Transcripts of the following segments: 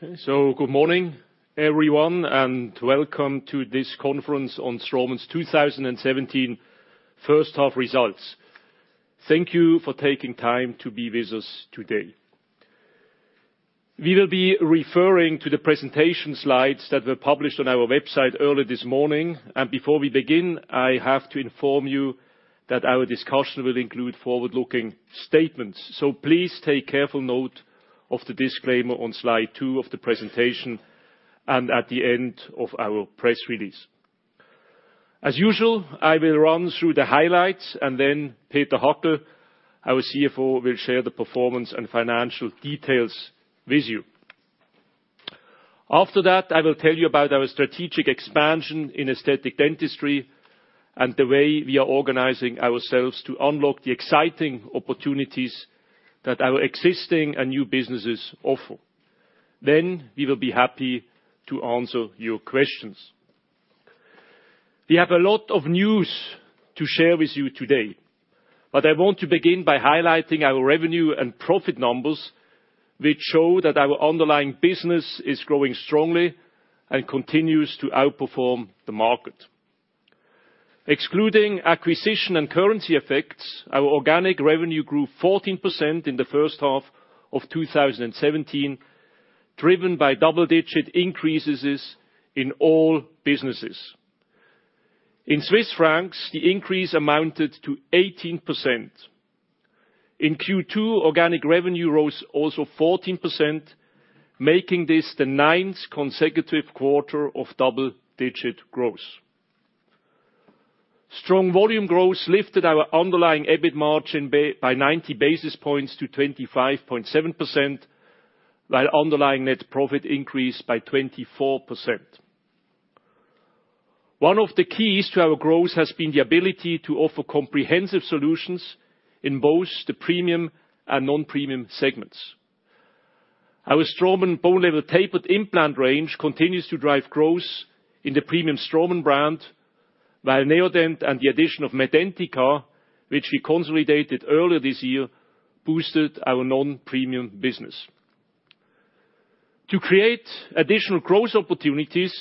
Good morning, everyone, and welcome to this conference on Straumann's 2017 first half results. Thank you for taking time to be with us today. We will be referring to the presentation slides that were published on our website early this morning. Before we begin, I have to inform you that our discussion will include forward-looking statements. Please take careful note of the disclaimer on slide two of the presentation and at the end of our press release. As usual, I will run through the highlights, and Peter Hacksteiner, our CFO, will share the performance and financial details with you. After that, I will tell you about our strategic expansion in aesthetic dentistry and the way we are organizing ourselves to unlock the exciting opportunities that our existing and new businesses offer. We will be happy to answer your questions. We have a lot of news to share with you today, but I want to begin by highlighting our revenue and profit numbers, which show that our underlying business is growing strongly and continues to outperform the market. Excluding acquisition and currency effects, our organic revenue grew 14% in the first half of 2017, driven by double-digit increases in all businesses. In CHF, the increase amounted to 18%. In Q2, organic revenue rose also 14%, making this the ninth consecutive quarter of double-digit growth. Strong volume growth lifted our underlying EBIT margin by 90 basis points to 25.7%, while underlying net profit increased by 24%. One of the keys to our growth has been the ability to offer comprehensive solutions in both the premium and non-premium segments. Our Straumann bone level tapered implant range continues to drive growth in the premium Straumann brand, while Neodent and the addition of Medentika, which we consolidated earlier this year, boosted our non-premium business. To create additional growth opportunities,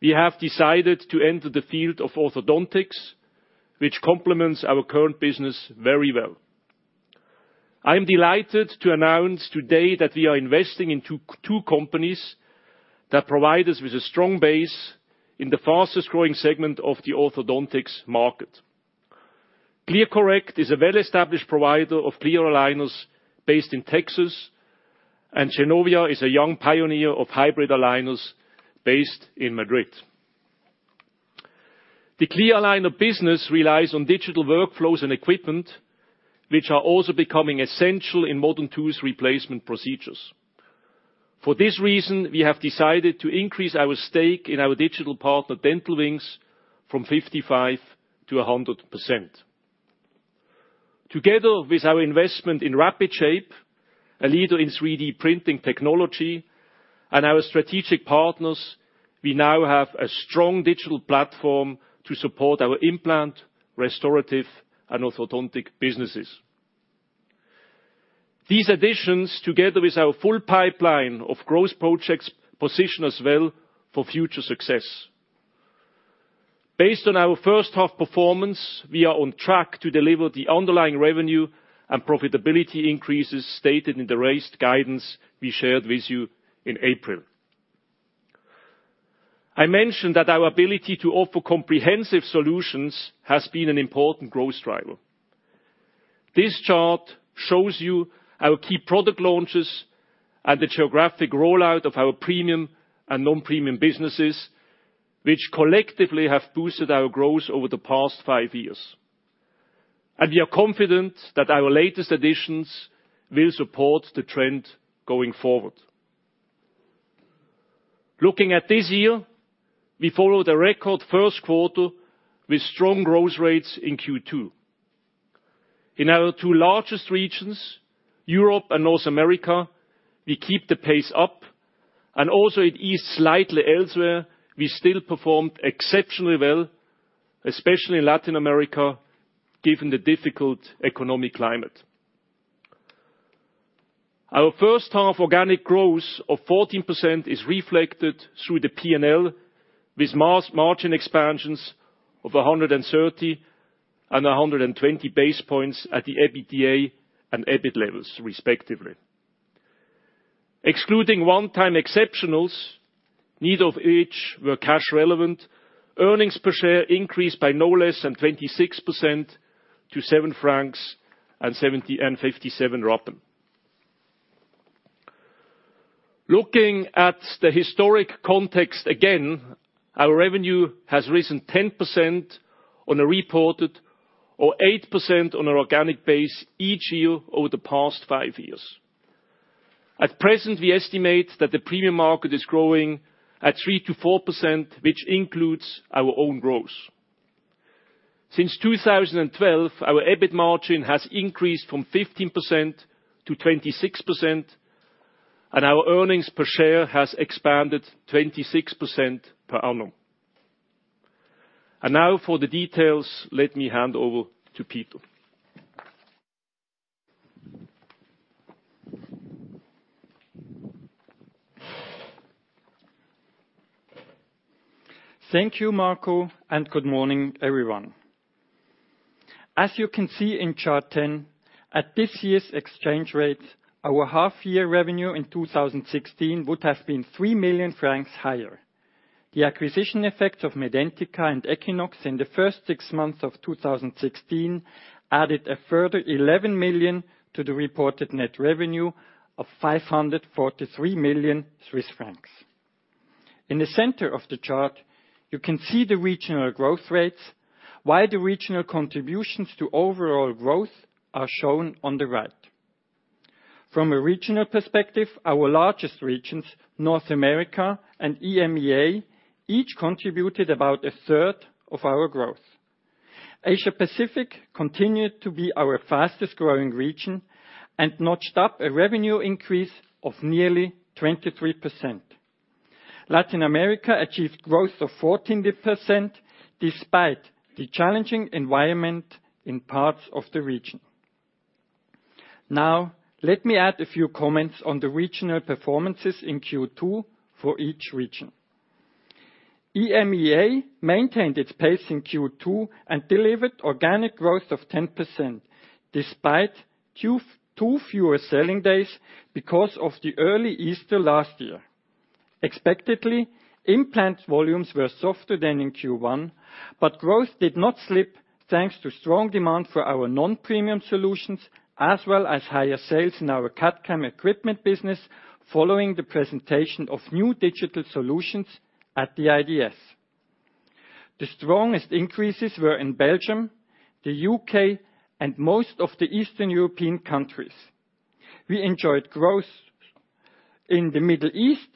we have decided to enter the field of orthodontics, which complements our current business very well. I am delighted to announce today that we are investing into two companies that provide us with a strong base in the fastest-growing segment of the orthodontics market. ClearCorrect is a well-established provider of clear aligners based in Texas, and Geniova is a young pioneer of hybrid aligners based in Madrid. The clear aligner business relies on digital workflows and equipment, which are also becoming essential in modern tooth replacement procedures. For this reason, we have decided to increase our stake in our digital partner, Dental Wings, from 55% to 100%. Together with our investment in Rapid Shape, a leader in 3D printing technology, and our strategic partners, we now have a strong digital platform to support our implant, restorative, and orthodontic businesses. These additions, together with our full pipeline of growth projects, position us well for future success. Based on our first half performance, we are on track to deliver the underlying revenue and profitability increases stated in the raised guidance we shared with you in April. I mentioned that our ability to offer comprehensive solutions has been an important growth driver. This chart shows you our key product launches and the geographic rollout of our premium and non-premium businesses, which collectively have boosted our growth over the past five years. We are confident that our latest additions will support the trend going forward. Looking at this year, we followed a record first quarter with strong growth rates in Q2. In our two largest regions, Europe and North America, we keep the pace up and also it is slightly elsewhere. We still performed exceptionally well, especially in Latin America, given the difficult economic climate. Our first half organic growth of 14% is reflected through the P&L, with margin expansions of 130 to 120 base points at the EBITDA and EBIT levels, respectively. Excluding one-time exceptionals, neither of each were cash relevant, earnings per share increased by no less than 26% to 7.57 francs. Looking at the historic context again, our revenue has risen 10% on a reported or 8% on an organic base each year over the past five years. At present, we estimate that the premium market is growing at 3%-4%, which includes our own growth. Since 2012, our EBIT margin has increased from 15%-26%, and our earnings per share has expanded 26% per annum. Now for the details, let me hand over to Peter. Thank you, Marco. Good morning, everyone. As you can see in chart 10, at this year's exchange rate, our half year revenue in 2016 would have been 3 million francs higher. The acquisition effect of Medentika and Equinox in the first six months of 2016 added a further 11 million to the reported net revenue of 543 million Swiss francs. In the center of the chart, you can see the regional growth rates, while the regional contributions to overall growth are shown on the right. From a regional perspective, our largest regions, North America and EMEA, each contributed about a third of our growth. Asia-Pacific continued to be our fastest growing region and notched up a revenue increase of nearly 23%. Latin America achieved growth of 14% despite the challenging environment in parts of the region. Now, let me add a few comments on the regional performances in Q2 for each region. EMEA maintained its pace in Q2 and delivered organic growth of 10%, despite two fewer selling days because of the early Easter last year. Expectedly, implant volumes were softer than in Q1, but growth did not slip thanks to strong demand for our non-premium solutions as well as higher sales in our CAD/CAM equipment business following the presentation of new digital solutions at the IDS. The strongest increases were in Belgium, the U.K., and most of the Eastern European countries. We enjoyed growth in the Middle East,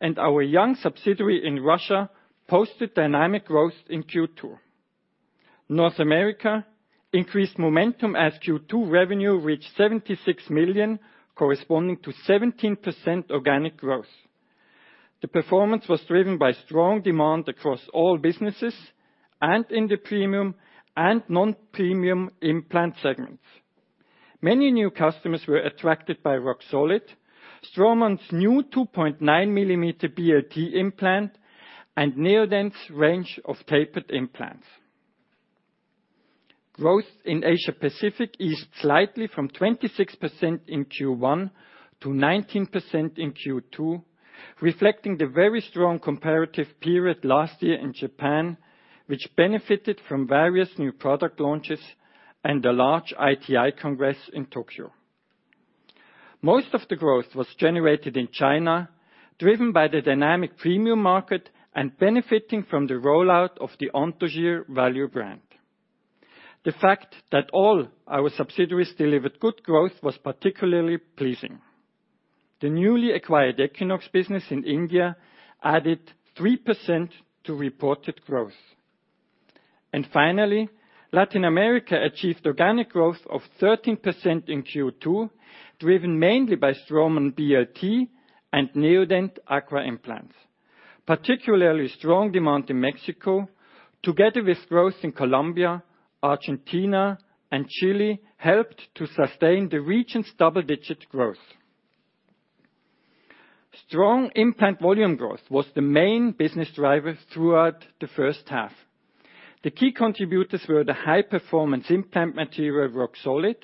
and our young subsidiary in Russia posted dynamic growth in Q2. North America increased momentum as Q2 revenue reached 76 million, corresponding to 17% organic growth. The performance was driven by strong demand across all businesses and in the premium and non-premium implant segments. Many new customers were attracted by Roxolid, Straumann's new 2.9 millimeter BLT implant, and Neodent's range of tapered implants. Growth in Asia-Pacific eased slightly from 26% in Q1 to 19% in Q2, reflecting the very strong comparative period last year in Japan, which benefited from various new product launches and a large ITI Congress in Tokyo. Most of the growth was generated in China, driven by the dynamic premium market and benefiting from the rollout of the Anthogyr value brand. The fact that all our subsidiaries delivered good growth was particularly pleasing. The newly acquired Equinox business in India added 3% to reported growth. Finally, Latin America achieved organic growth of 13% in Q2, driven mainly by Straumann BLT and Neodent Acqua implants. Particularly strong demand in Mexico, together with growth in Colombia, Argentina, and Chile, helped to sustain the region's double-digit growth. Strong implant volume growth was the main business driver throughout the first half. The key contributors were the high-performance implant material Roxolid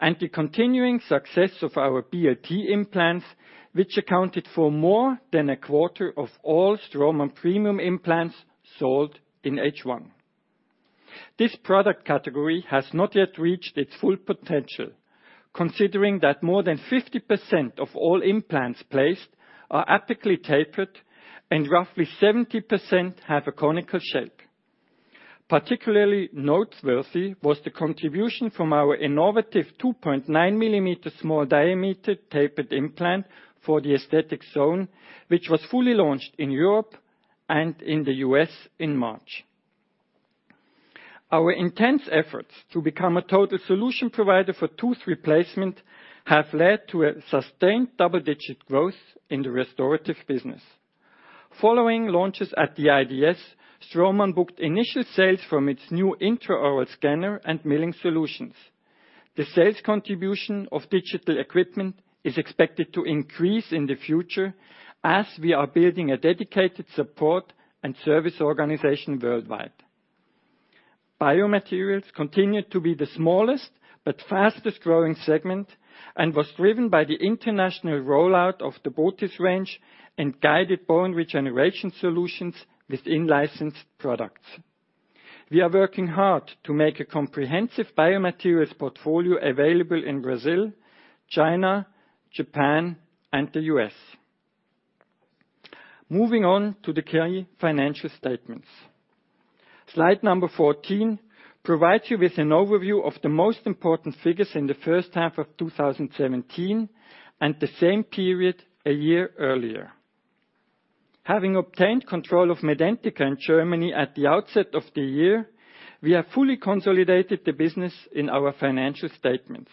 and the continuing success of our BLT implants, which accounted for more than a quarter of all Straumann premium implants sold in H1. This product category has not yet reached its full potential, considering that more than 50% of all implants placed are apically tapered and roughly 70% have a conical shape. Particularly noteworthy was the contribution from our innovative 2.9 millimeter small diameter tapered implant for the aesthetic zone, which was fully launched in Europe and in the U.S. in March. Our intense efforts to become a total solution provider for tooth replacement have led to a sustained double-digit growth in the restorative business. Following launches at the IDS, Straumann booked initial sales from its new intraoral scanner and milling solutions. The sales contribution of digital equipment is expected to increase in the future as we are building a dedicated support and service organization worldwide. Biomaterials continued to be the smallest but fastest-growing segment and was driven by the international rollout of the botiss range and guided bone regeneration solutions with in-licensed products. We are working hard to make a comprehensive biomaterials portfolio available in Brazil, China, Japan, and the U.S. Moving on to the key financial statements. Slide number 14 provides you with an overview of the most important figures in the first half of 2017 and the same period a year earlier. Having obtained control of Medentika in Germany at the outset of the year, we have fully consolidated the business in our financial statements.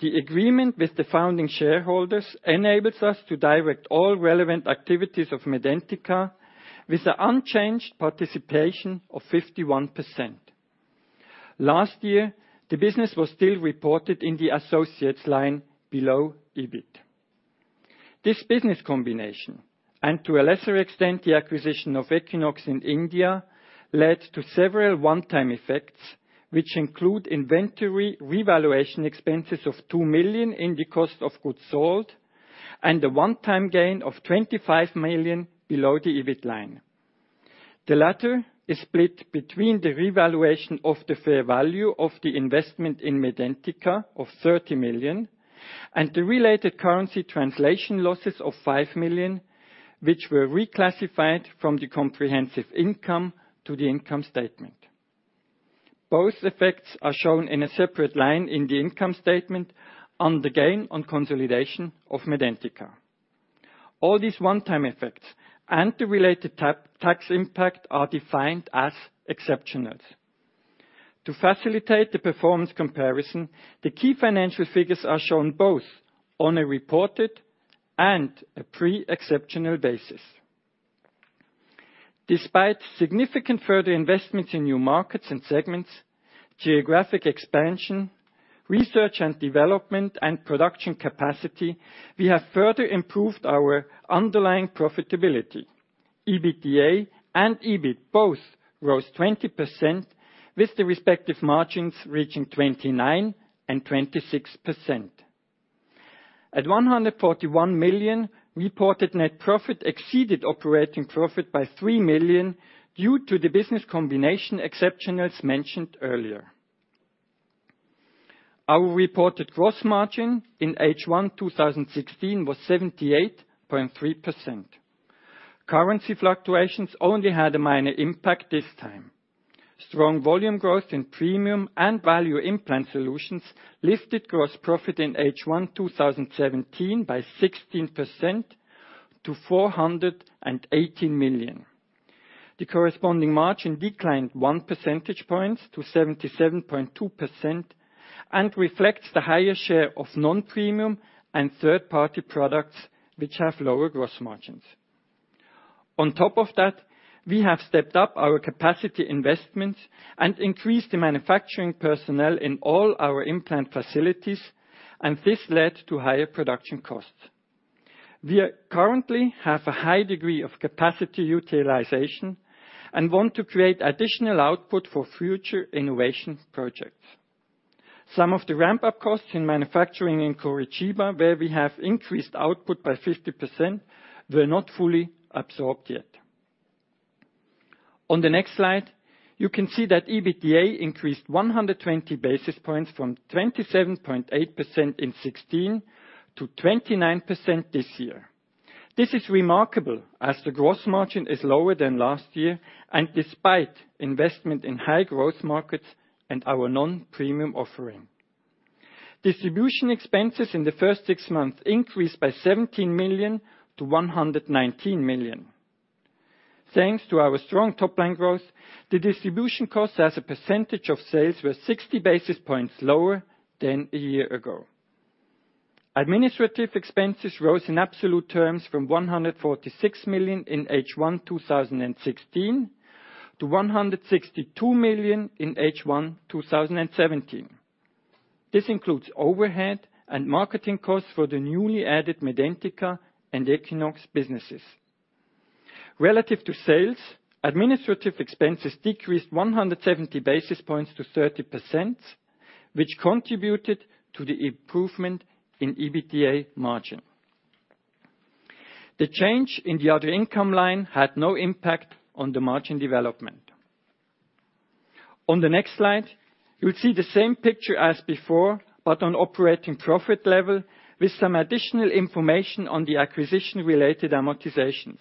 The agreement with the founding shareholders enables us to direct all relevant activities of Medentika with an unchanged participation of 51%. Last year, the business was still reported in the associates line below EBIT. This business combination, and to a lesser extent, the acquisition of Equinox in India, led to several one-time effects, which include inventory revaluation expenses of 2 million in the cost of goods sold, and a one-time gain of 25 million below the EBIT line. The latter is split between the revaluation of the fair value of the investment in Medentika of 30 million, and the related currency translation losses of 5 million, which were reclassified from the comprehensive income to the income statement. Both effects are shown in a separate line in the income statement on the gain on consolidation of Medentika. All these one-time effects and the related tax impact are defined as exceptionals. To facilitate the performance comparison, the key financial figures are shown both on a reported and a pre-exceptional basis. Despite significant further investments in new markets and segments, geographic expansion, research and development and production capacity, we have further improved our underlying profitability. EBITDA and EBIT both rose 20%, with the respective margins reaching 29% and 26%. At 141 million, reported net profit exceeded operating profit by 3 million due to the business combination exceptionals mentioned earlier. Our reported gross margin in H1 2016 was 78.3%. Currency fluctuations only had a minor impact this time. Strong volume growth in premium and value implant solutions lifted gross profit in H1 2017 by 16% to 418 million. The corresponding margin declined one percentage point to 77.2% and reflects the higher share of non-premium and third-party products, which have lower gross margins. On top of that, we have stepped up our capacity investments and increased the manufacturing personnel in all our implant facilities, this led to higher production costs. We currently have a high degree of capacity utilization and want to create additional output for future innovations projects. Some of the ramp-up costs in manufacturing in Curitiba, where we have increased output by 50%, were not fully absorbed yet. On the next slide, you can see that EBITDA increased 120 basis points from 27.8% in 2016 to 29% this year. This is remarkable as the gross margin is lower than last year despite investment in high growth markets and our non-premium offering. Distribution expenses in the first six months increased by 17 million to 119 million. Thanks to our strong top-line growth, the distribution costs as a percentage of sales were 60 basis points lower than a year ago. Administrative expenses rose in absolute terms from 146 million in H1 2016 to 162 million in H1 2017. This includes overhead and marketing costs for the newly added Medentika and Equinox businesses. Relative to sales, administrative expenses decreased 170 basis points to 30%, which contributed to the improvement in EBITDA margin. The change in the other income line had no impact on the margin development. On the next slide, you will see the same picture as before, but on operating profit level with some additional information on the acquisition-related amortizations,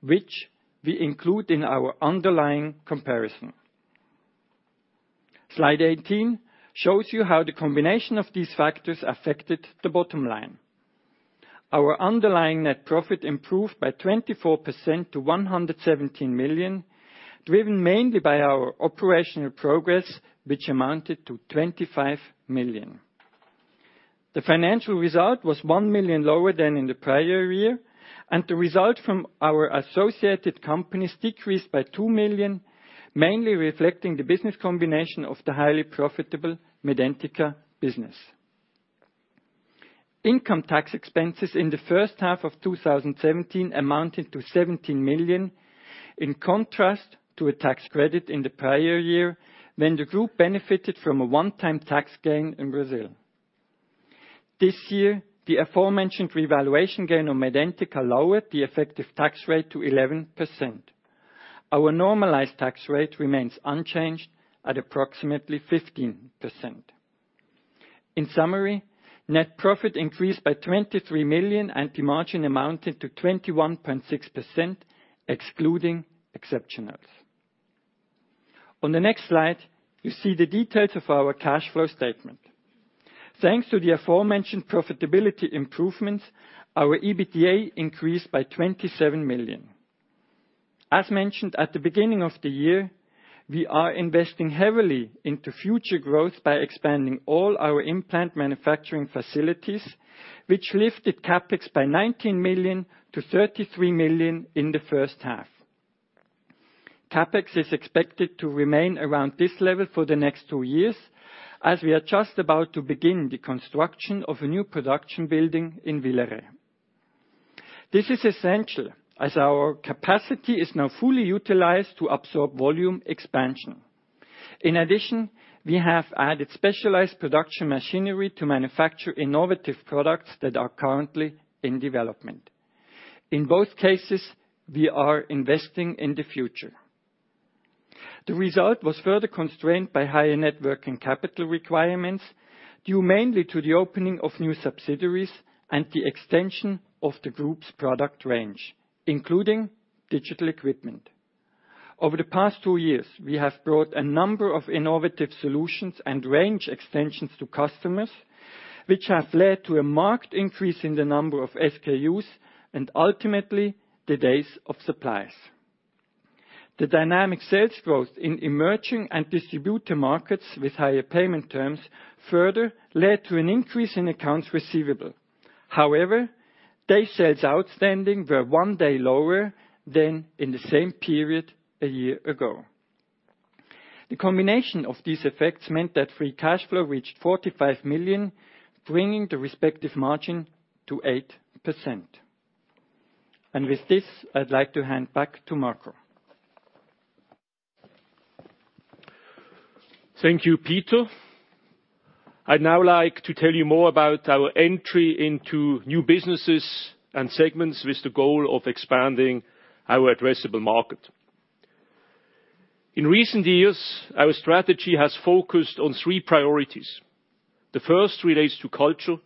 which we include in our underlying comparison. Slide 18 shows you how the combination of these factors affected the bottom line. Our underlying net profit improved by 24% to 117 million, driven mainly by our operational progress, which amounted to 25 million. The financial result was 1 million lower than in the prior year, the result from our associated companies decreased by 2 million, mainly reflecting the business combination of the highly profitable Medentika business. Income tax expenses in the first half of 2017 amounted to 17 million, in contrast to a tax credit in the prior year when the group benefited from a one-time tax gain in Brazil. This year, the aforementioned revaluation gain on Medentika lowered the effective tax rate to 11%. Our normalized tax rate remains unchanged at approximately 15%. In summary, net profit increased by 23 million, the margin amounted to 21.6%, excluding exceptionals. On the next slide, you see the details of our cash flow statement. Thanks to the aforementioned profitability improvements, our EBITDA increased by 27 million. As mentioned at the beginning of the year, we are investing heavily into future growth by expanding all our implant manufacturing facilities, which lifted CapEx by 19 million to 33 million in the first half. CapEx is expected to remain around this level for the next two years, as we are just about to begin the construction of a new production building in Villeret. This is essential as our capacity is now fully utilized to absorb volume expansion. In addition, we have added specialized production machinery to manufacture innovative products that are currently in development. In both cases, we are investing in the future. The result was further constrained by higher net working capital requirements, due mainly to the opening of new subsidiaries and the extension of the group's product range, including digital equipment. Over the past two years, we have brought a number of innovative solutions and range extensions to customers, which have led to a marked increase in the number of SKUs and ultimately the days of supplies. The dynamic sales growth in emerging and distributor markets with higher payment terms further led to an increase in accounts receivable. However, day sales outstanding were one day lower than in the same period a year ago. The combination of these effects meant that free cash flow reached 45 million, bringing the respective margin to 8%. With this, I'd like to hand back to Marco. Thank you, Peter. I'd now like to tell you more about our entry into new businesses and segments with the goal of expanding our addressable market. In recent years, our strategy has focused on three priorities. The first relates to culture,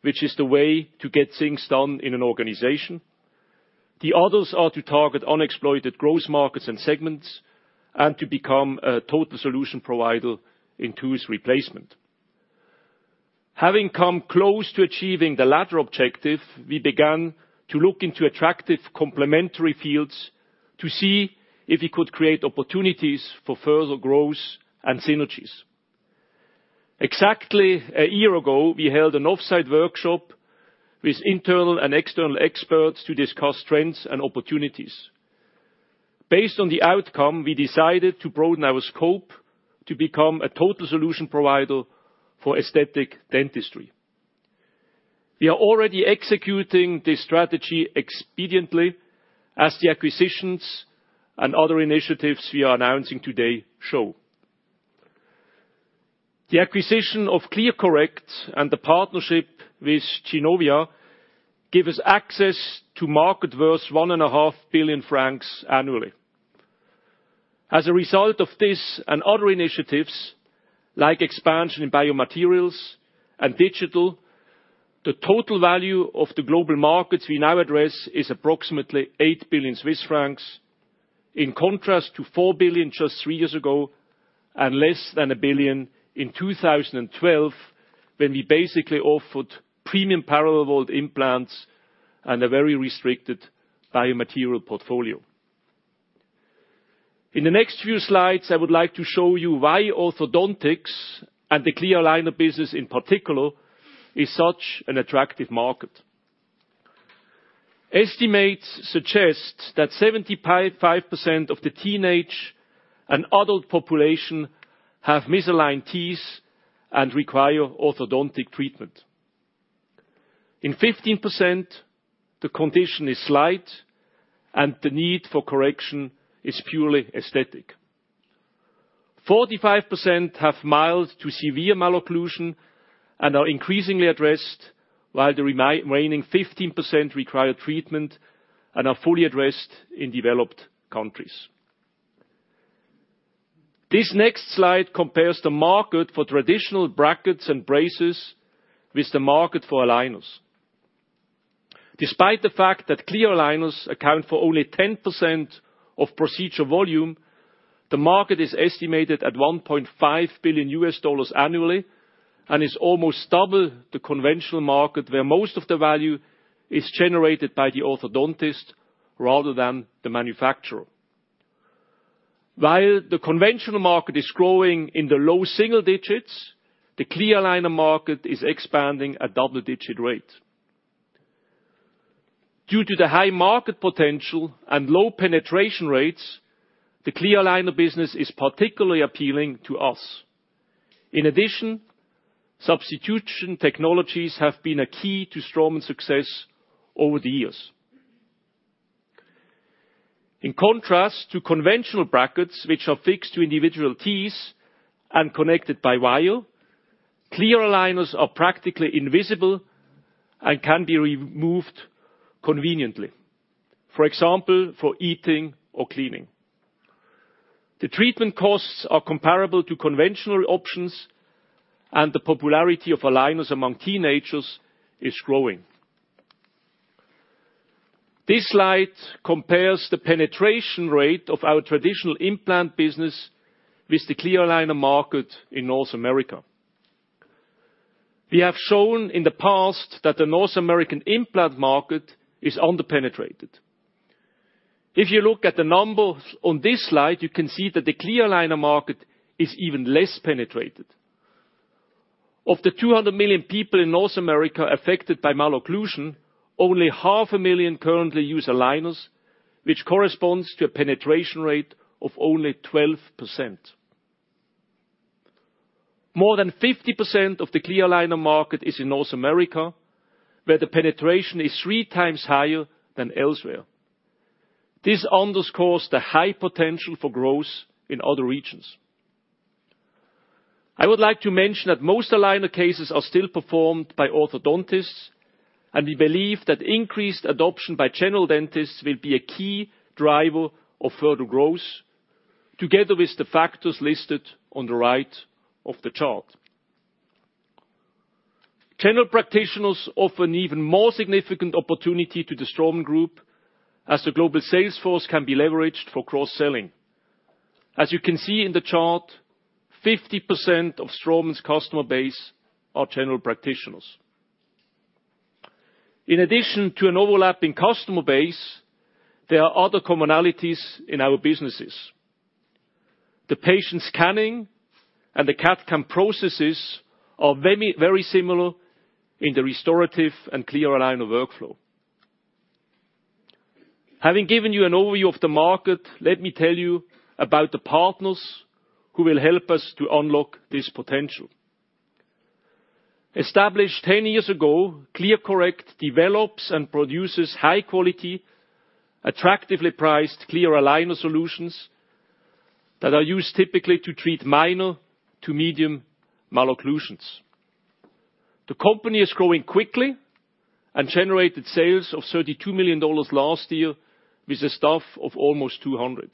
which is the way to get things done in an organization. The others are to target unexploited growth markets and segments, and to become a total solution provider in tooth replacement. Having come close to achieving the latter objective, we began to look into attractive complementary fields to see if we could create opportunities for further growth and synergies. Exactly a year ago, we held an offsite workshop with internal and external experts to discuss trends and opportunities. Based on the outcome, we decided to broaden our scope to become a total solution provider for aesthetic dentistry. We are already executing this strategy expediently as the acquisitions and other initiatives we are announcing today show. The acquisition of ClearCorrect and the partnership with Geniova give us access to market worth one and a half billion francs annually. As a result of this and other initiatives like expansion in biomaterials and digital, the total value of the global markets we now address is approximately 8 billion Swiss francs, in contrast to 4 billion just three years ago, and less than 1 billion in 2012, when we basically offered premium parallel-walled implants and a very restricted biomaterial portfolio. In the next few slides, I would like to show you why orthodontics and the clear aligner business in particular is such an attractive market. Estimates suggest that 75% of the teenage and adult population have misaligned teeth and require orthodontic treatment. In 15%, the condition is slight and the need for correction is purely aesthetic. 45% have mild to severe malocclusion and are increasingly addressed, while the remaining 15% require treatment and are fully addressed in developed countries. This next slide compares the market for traditional brackets and braces with the market for aligners. Despite the fact that clear aligners account for only 10% of procedure volume, the market is estimated at $1.5 billion annually and is almost double the conventional market, where most of the value is generated by the orthodontist rather than the manufacturer. While the conventional market is growing in the low single digits, the clear aligner market is expanding at double-digit rates. Due to the high market potential and low penetration rates, the clear aligner business is particularly appealing to us. In addition, substitution technologies have been a key to Straumann's success over the years. In contrast to conventional brackets, which are fixed to individual teeth and connected by wire, clear aligners are practically invisible and can be removed conveniently. For example, for eating or cleaning. The treatment costs are comparable to conventional options, and the popularity of aligners among teenagers is growing. This slide compares the penetration rate of our traditional implant business with the clear aligner market in North America. We have shown in the past that the North American implant market is under-penetrated. If you look at the numbers on this slide, you can see that the clear aligner market is even less penetrated. Of the 200 million people in North America affected by malocclusion, only half a million currently use aligners, which corresponds to a penetration rate of only 12%. More than 50% of the clear aligner market is in North America, where the penetration is three times higher than elsewhere. This underscores the high potential for growth in other regions. I would like to mention that most aligner cases are still performed by orthodontists, and we believe that increased adoption by general dentists will be a key driver of further growth together with the factors listed on the right of the chart. General practitioners offer an even more significant opportunity to the Straumann Group as the global sales force can be leveraged for cross-selling. As you can see in the chart, 50% of Straumann's customer base are general practitioners. In addition to an overlapping customer base, there are other commonalities in our businesses. The patient scanning and the CAD/CAM processes are very similar in the restorative and clear aligner workflow. Having given you an overview of the market, let me tell you about the partners who will help us to unlock this potential. Established 10 years ago, ClearCorrect develops and produces high quality, attractively priced clear aligner solutions that are used typically to treat minor to medium malocclusions. The company is growing quickly and generated sales of CHF 32 million last year with a staff of almost 200.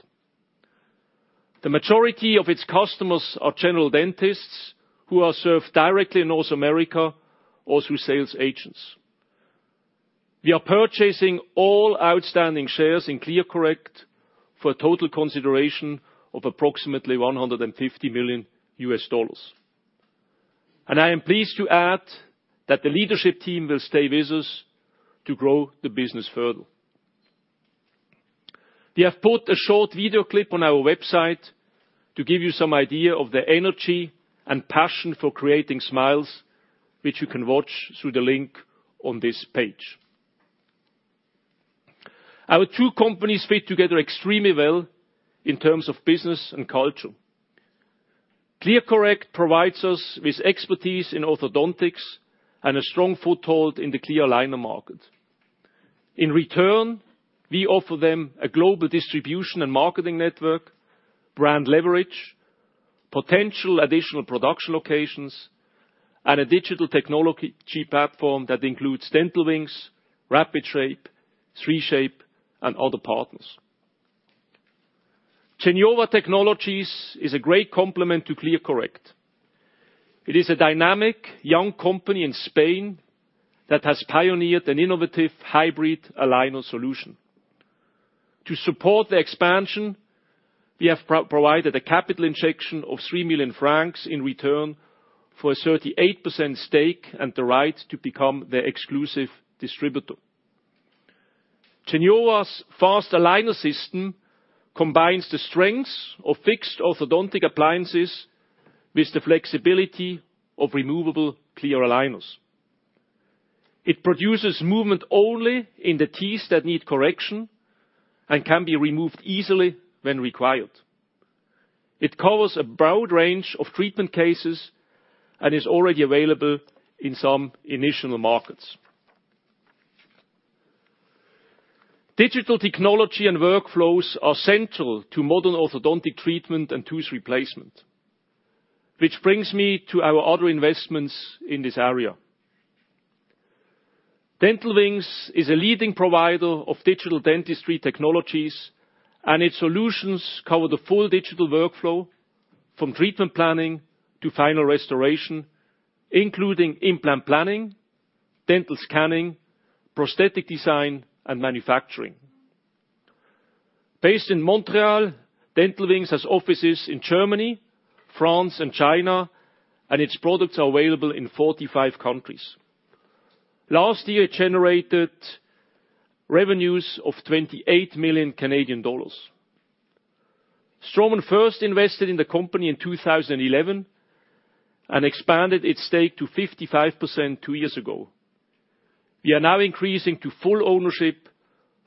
The majority of its customers are general dentists who are served directly in North America or through sales agents. We are purchasing all outstanding shares in ClearCorrect for a total consideration of approximately CHF 150 million. I am pleased to add that the leadership team will stay with us to grow the business further. We have put a short video clip on our website to give you some idea of the energy and passion for creating smiles, which you can watch through the link on this page. Our two companies fit together extremely well in terms of business and culture. ClearCorrect provides us with expertise in orthodontics and a strong foothold in the clear aligner market. In return, we offer them a global distribution and marketing network, brand leverage, potential additional production locations, and a digital technology platform that includes Dental Wings, RapidShape, 3Shape, and other partners. Geniova Technologies is a great complement to ClearCorrect. It is a dynamic, young company in Spain that has pioneered an innovative hybrid aligner solution. To support the expansion, we have provided a capital injection of 3 million francs in return for a 38% stake and the right to become the exclusive distributor. Geniova Fast Aligners system combines the strengths of fixed orthodontic appliances with the flexibility of removable clear aligners. It produces movement only in the teeth that need correction and can be removed easily when required. It covers a broad range of treatment cases and is already available in some initial markets. This brings me to our other investments in this area. Dental Wings is a leading provider of digital dentistry technologies, and its solutions cover the full digital workflow, from treatment planning to final restoration, including implant planning, dental scanning, prosthetic design, and manufacturing. Based in Montreal, Dental Wings has offices in Germany, France, and China, and its products are available in 45 countries. Last year, it generated revenues of CAD 28 million. Straumann first invested in the company in 2011 and expanded its stake to 55% two years ago. We are now increasing to full ownership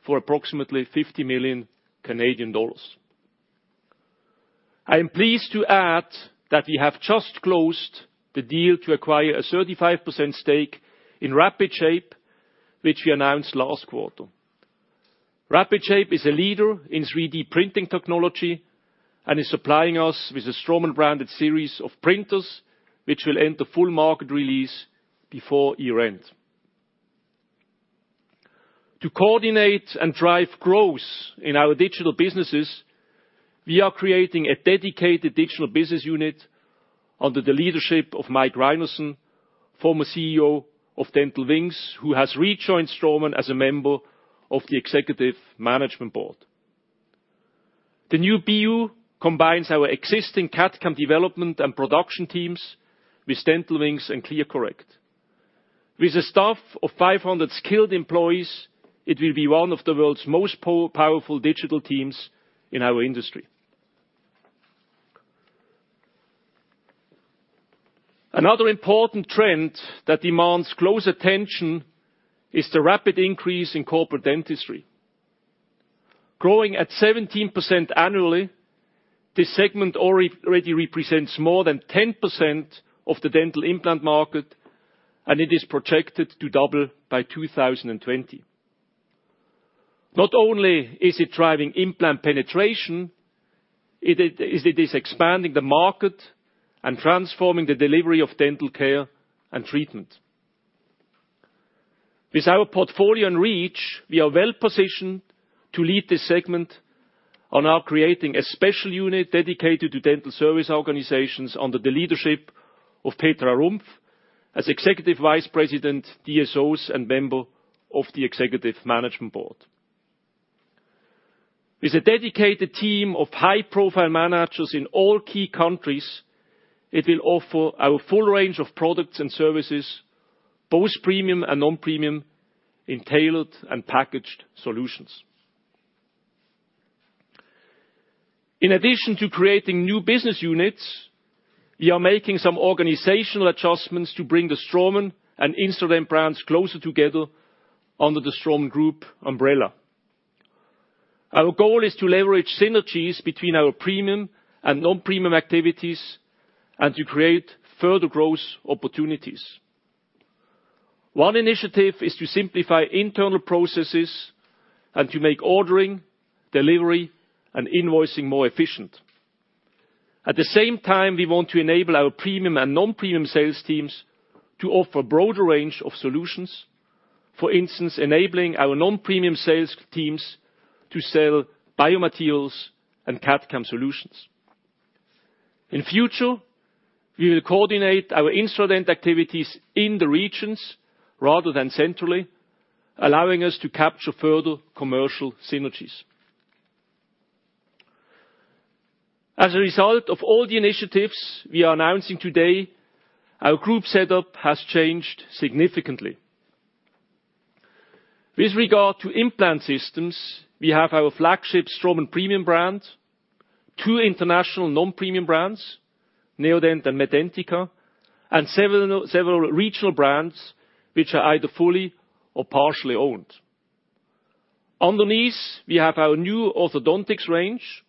for approximately 50 million Canadian dollars. I am pleased to add that we have just closed the deal to acquire a 35% stake in RapidShape, which we announced last quarter. RapidShape is a leader in 3D printing technology and is supplying us with a Straumann-branded series of printers, which will enter full market release before year-end. To coordinate and drive growth in our digital businesses, we are creating a dedicated digital business unit under the leadership of Mike Rynerson, former CEO of Dental Wings, who has rejoined Straumann as a member of the Executive Management Board. The new BU combines our existing CAD/CAM development and production teams with Dental Wings and ClearCorrect. With a staff of 500 skilled employees, it will be one of the world's most powerful digital teams in our industry. Another important trend that demands close attention is the rapid increase in corporate dentistry. Growing at 17% annually, this segment already represents more than 10% of the dental implant market, and it is projected to double by 2020. Not only is it driving implant penetration, it is expanding the market and transforming the delivery of dental care and treatment. With our portfolio and reach, we are well-positioned to lead this segment, and are creating a special unit dedicated to Dental Service Organizations under the leadership of Petra Rumpf as Executive Vice President, DSOs, and member of the Executive Management Board. With a dedicated team of high-profile managers in all key countries, it will offer our full range of products and services, both premium and non-premium, in tailored and packaged solutions. In addition to creating new business units, we are making some organizational adjustments to bring the Straumann and Instradent brands closer together under the Straumann Group umbrella. Our goal is to leverage synergies between our premium and non-premium activities and to create further growth opportunities. One initiative is to simplify internal processes and to make ordering, delivery, and invoicing more efficient. At the same time, we want to enable our premium and non-premium sales teams to offer a broader range of solutions. For instance, enabling our non-premium sales teams to sell biomaterials and CAD/CAM solutions. In future, we will coordinate our Instradent activities in the regions rather than centrally, allowing us to capture further commercial synergies. As a result of all the initiatives we are announcing today, our group setup has changed significantly. With regard to implant systems, we have our flagship Straumann premium brand, two international non-premium brands, Neodent and Medentika, and several regional brands which are either fully or partially owned. Underneath, we have our new orthodontics range,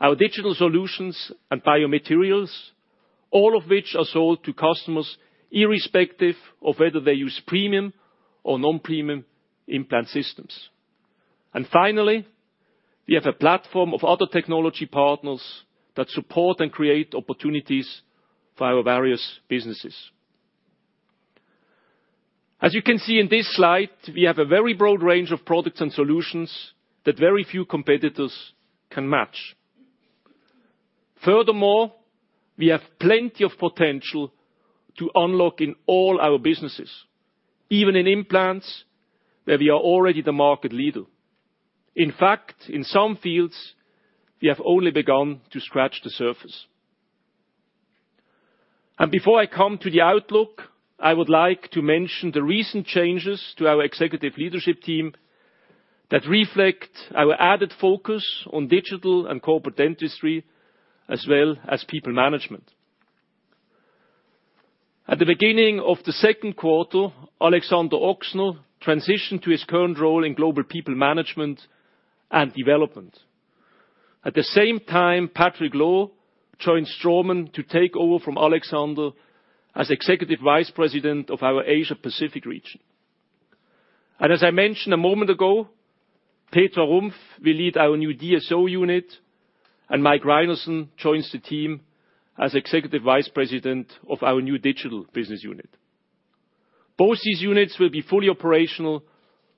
our digital solutions and biomaterials, all of which are sold to customers irrespective of whether they use premium or non-premium implant systems. Finally, we have a platform of other technology partners that support and create opportunities for our various businesses. As you can see in this slide, we have a very broad range of products and solutions that very few competitors can match. Furthermore, we have plenty of potential to unlock in all our businesses, even in implants where we are already the market leader. In fact, in some fields, we have only begun to scratch the surface. Before I come to the outlook, I would like to mention the recent changes to our executive leadership team that reflect our added focus on digital and corporate dentistry, as well as people management. At the beginning of the second quarter, Alexander Ochsner transitioned to his current role in global people management and development. At the same time, Patrick Loh joined Straumann to take over from Alexander as Executive Vice President of our Asia Pacific region. As I mentioned a moment ago, Petra Rumpf will lead our new DSO unit, and Mike Rynerson joins the team as Executive Vice President of our new digital business unit. Both these units will be fully operational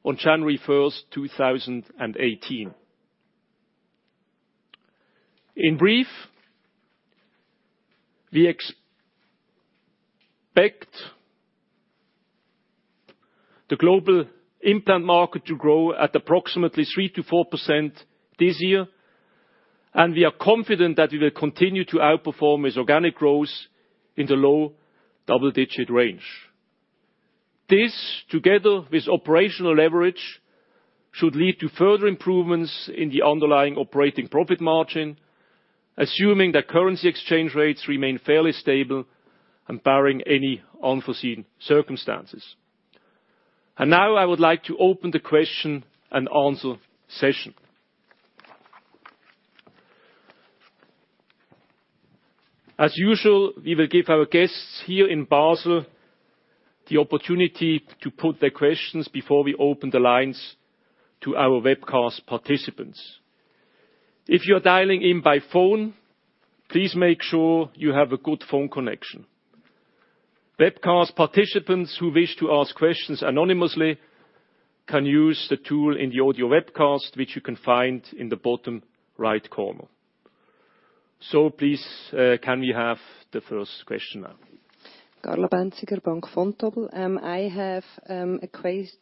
on January 1st, 2018. In brief, we expect the global implant market to grow at approximately 3%-4% this year, and we are confident that we will continue to outperform with organic growth in the low double-digit range. This, together with operational leverage, should lead to further improvements in the underlying operating profit margin, assuming that currency exchange rates remain fairly stable and barring any unforeseen circumstances. Now I would like to open the question and answer session. As usual, we will give our guests here in Basel the opportunity to put their questions before we open the lines to our webcast participants. If you are dialing in by phone, please make sure you have a good phone connection. Webcast participants who wish to ask questions anonymously can use the tool in the audio webcast, which you can find in the bottom right corner. Please, can we have the first question now? Carla Bänziger, Bank Vontobel. I have a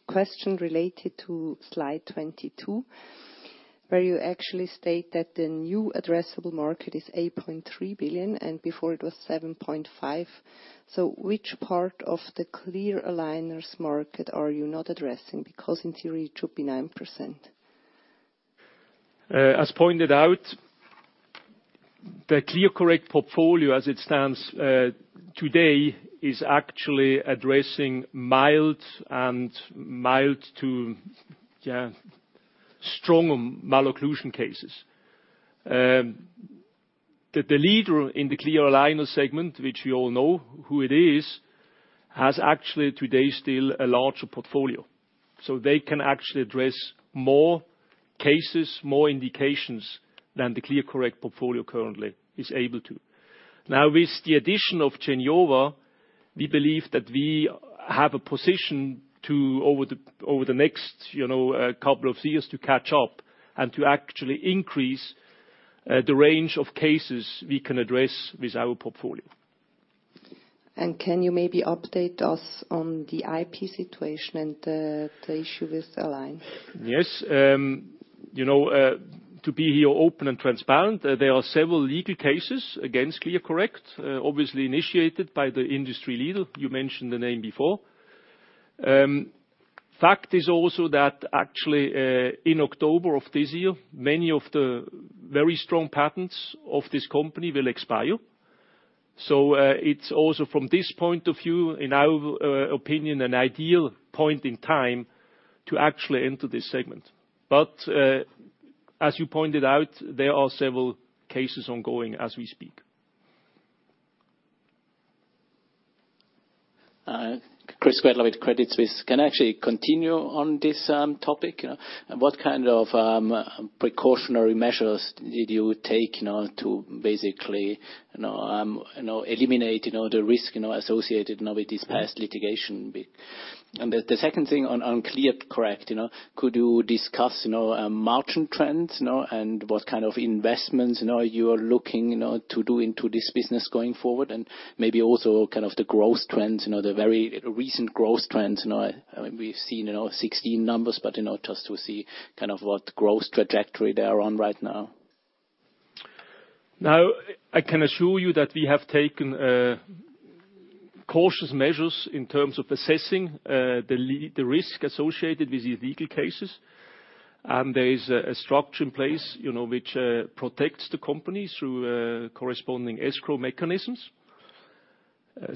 question related to slide 22, where you actually state that the new addressable market is 8.3 billion, and before it was 7.5 billion. Which part of the clear aligners market are you not addressing? Because in theory, it should be 9%. As pointed out, the ClearCorrect portfolio as it stands today is actually addressing mild and mild to strong malocclusion cases. The leader in the clear aligner segment, which we all know who it is, has actually today still a larger portfolio. They can actually address more cases, more indications than the ClearCorrect portfolio currently is able to. With the addition of Geniova, we believe that we have a position to, over the next couple of years, to catch up and to actually increase the range of cases we can address with our portfolio. Can you maybe update us on the IP situation and the issue with Align Technology? Yes. To be open and transparent, there are several legal cases against ClearCorrect, obviously initiated by the industry leader. You mentioned the name before. Fact is also that actually, in October of this year, many of the very strong patents of this company will expire. It is also from this point of view, in our opinion, an ideal point in time to actually enter this segment. As you pointed out, there are several cases ongoing as we speak. Christoph Gretler with Credit Suisse. Can I actually continue on this topic? What kind of precautionary measures did you take, to basically eliminate the risk associated with this past litigation bit? The second thing on ClearCorrect. Could you discuss margin trends and what kind of investments you are looking to do into this business going forward and maybe also the growth trends, the very recent growth trends? We've seen 16 numbers, just to see what growth trajectory they are on right now. Now, I can assure you that we have taken cautious measures in terms of assessing the risk associated with these legal cases. There is a structure in place which protects the company through corresponding escrow mechanisms.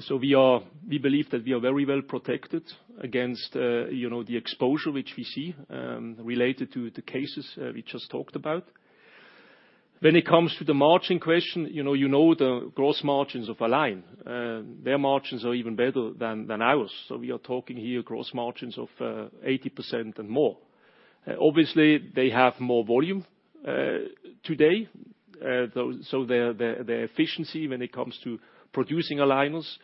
We believe that we are very well protected against the exposure which we see related to the cases we just talked about. When it comes to the margin question, you know the gross margins of Align. Their margins are even better than ours. We are talking here gross margins of 80% and more. Obviously, they have more volume today. Their efficiency when it comes to producing aligners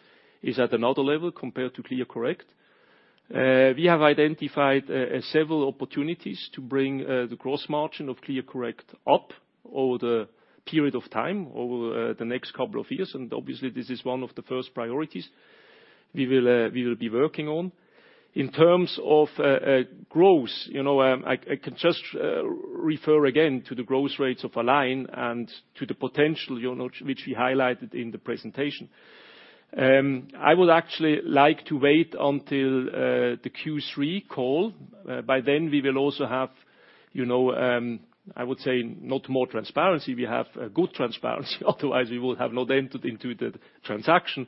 is at another level compared to ClearCorrect. We have identified several opportunities to bring the gross margin of ClearCorrect up over the period of time, over the next couple of years. Obviously this is one of the first priorities we will be working on. In terms of growth, I can just refer again to the growth rates of Align and to the potential which we highlighted in the presentation. I would actually like to wait until the Q3 call. By then we will also have, I would say, not more transparency. We have a good transparency, otherwise we will have not entered into the transaction.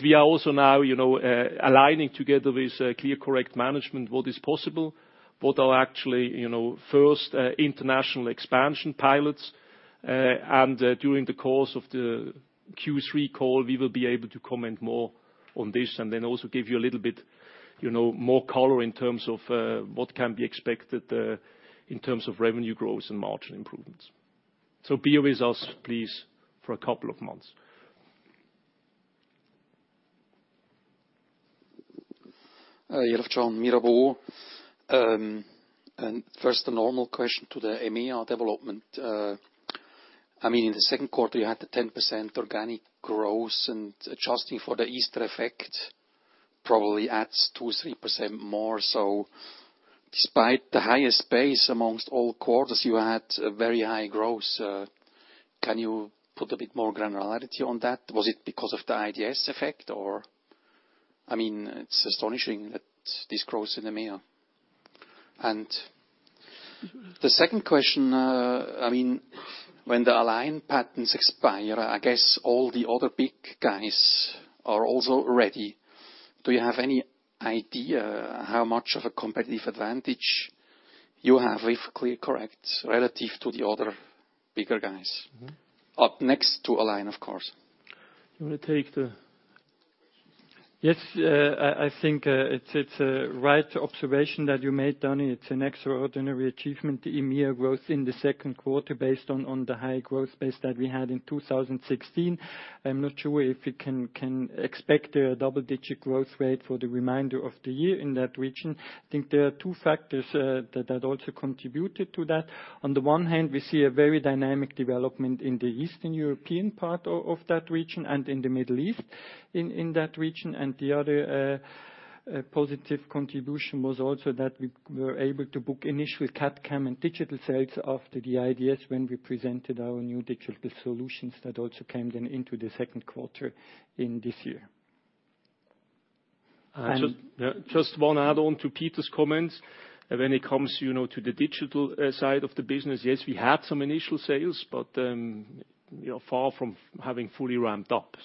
We are also now aligning together with ClearCorrect management what is possible, what are actually first international expansion pilots. During the course of the Q3 call, we will be able to comment more on this and then also give you a little bit more color in terms of what can be expected in terms of revenue growth and margin improvements. Bear with us, please, for a couple of months. Hi, Jürg. John Mirabeau. First, the normal question to the EMEA development. In the second quarter, you had the 10% organic growth and adjusting for the Easter effect probably adds 2%, 3% more. Despite the highest base amongst all quarters, you had a very high growth. Can you put a bit more granularity on that? Was it because of the IDS effect, or It's astonishing that this grows in EMEA. The second question, when the Align patents expire, I guess all the other big guys are also ready. Do you have any idea how much of a competitive advantage you have with ClearCorrect relative to the other bigger guys? Up next to Align, of course. You want to take the? Yes. I think it is a right observation that you made, John. It is an extraordinary achievement, the EMEA growth in the second quarter based on the high growth base that we had in 2016. I am not sure if we can expect a double-digit growth rate for the remainder of the year in that region. I think there are two factors that had also contributed to that. On the one hand, we see a very dynamic development in the Eastern European part of that region and in the Middle East, in that region. The other positive contribution was also that we were able to book initial CAD/CAM and digital sales after the IDS when we presented our new digital solutions that also came then into the second quarter in this year. Just one add-on to Peter's comments. When it comes to the digital side of the business, yes, we had some initial sales, but far from having fully ramped up.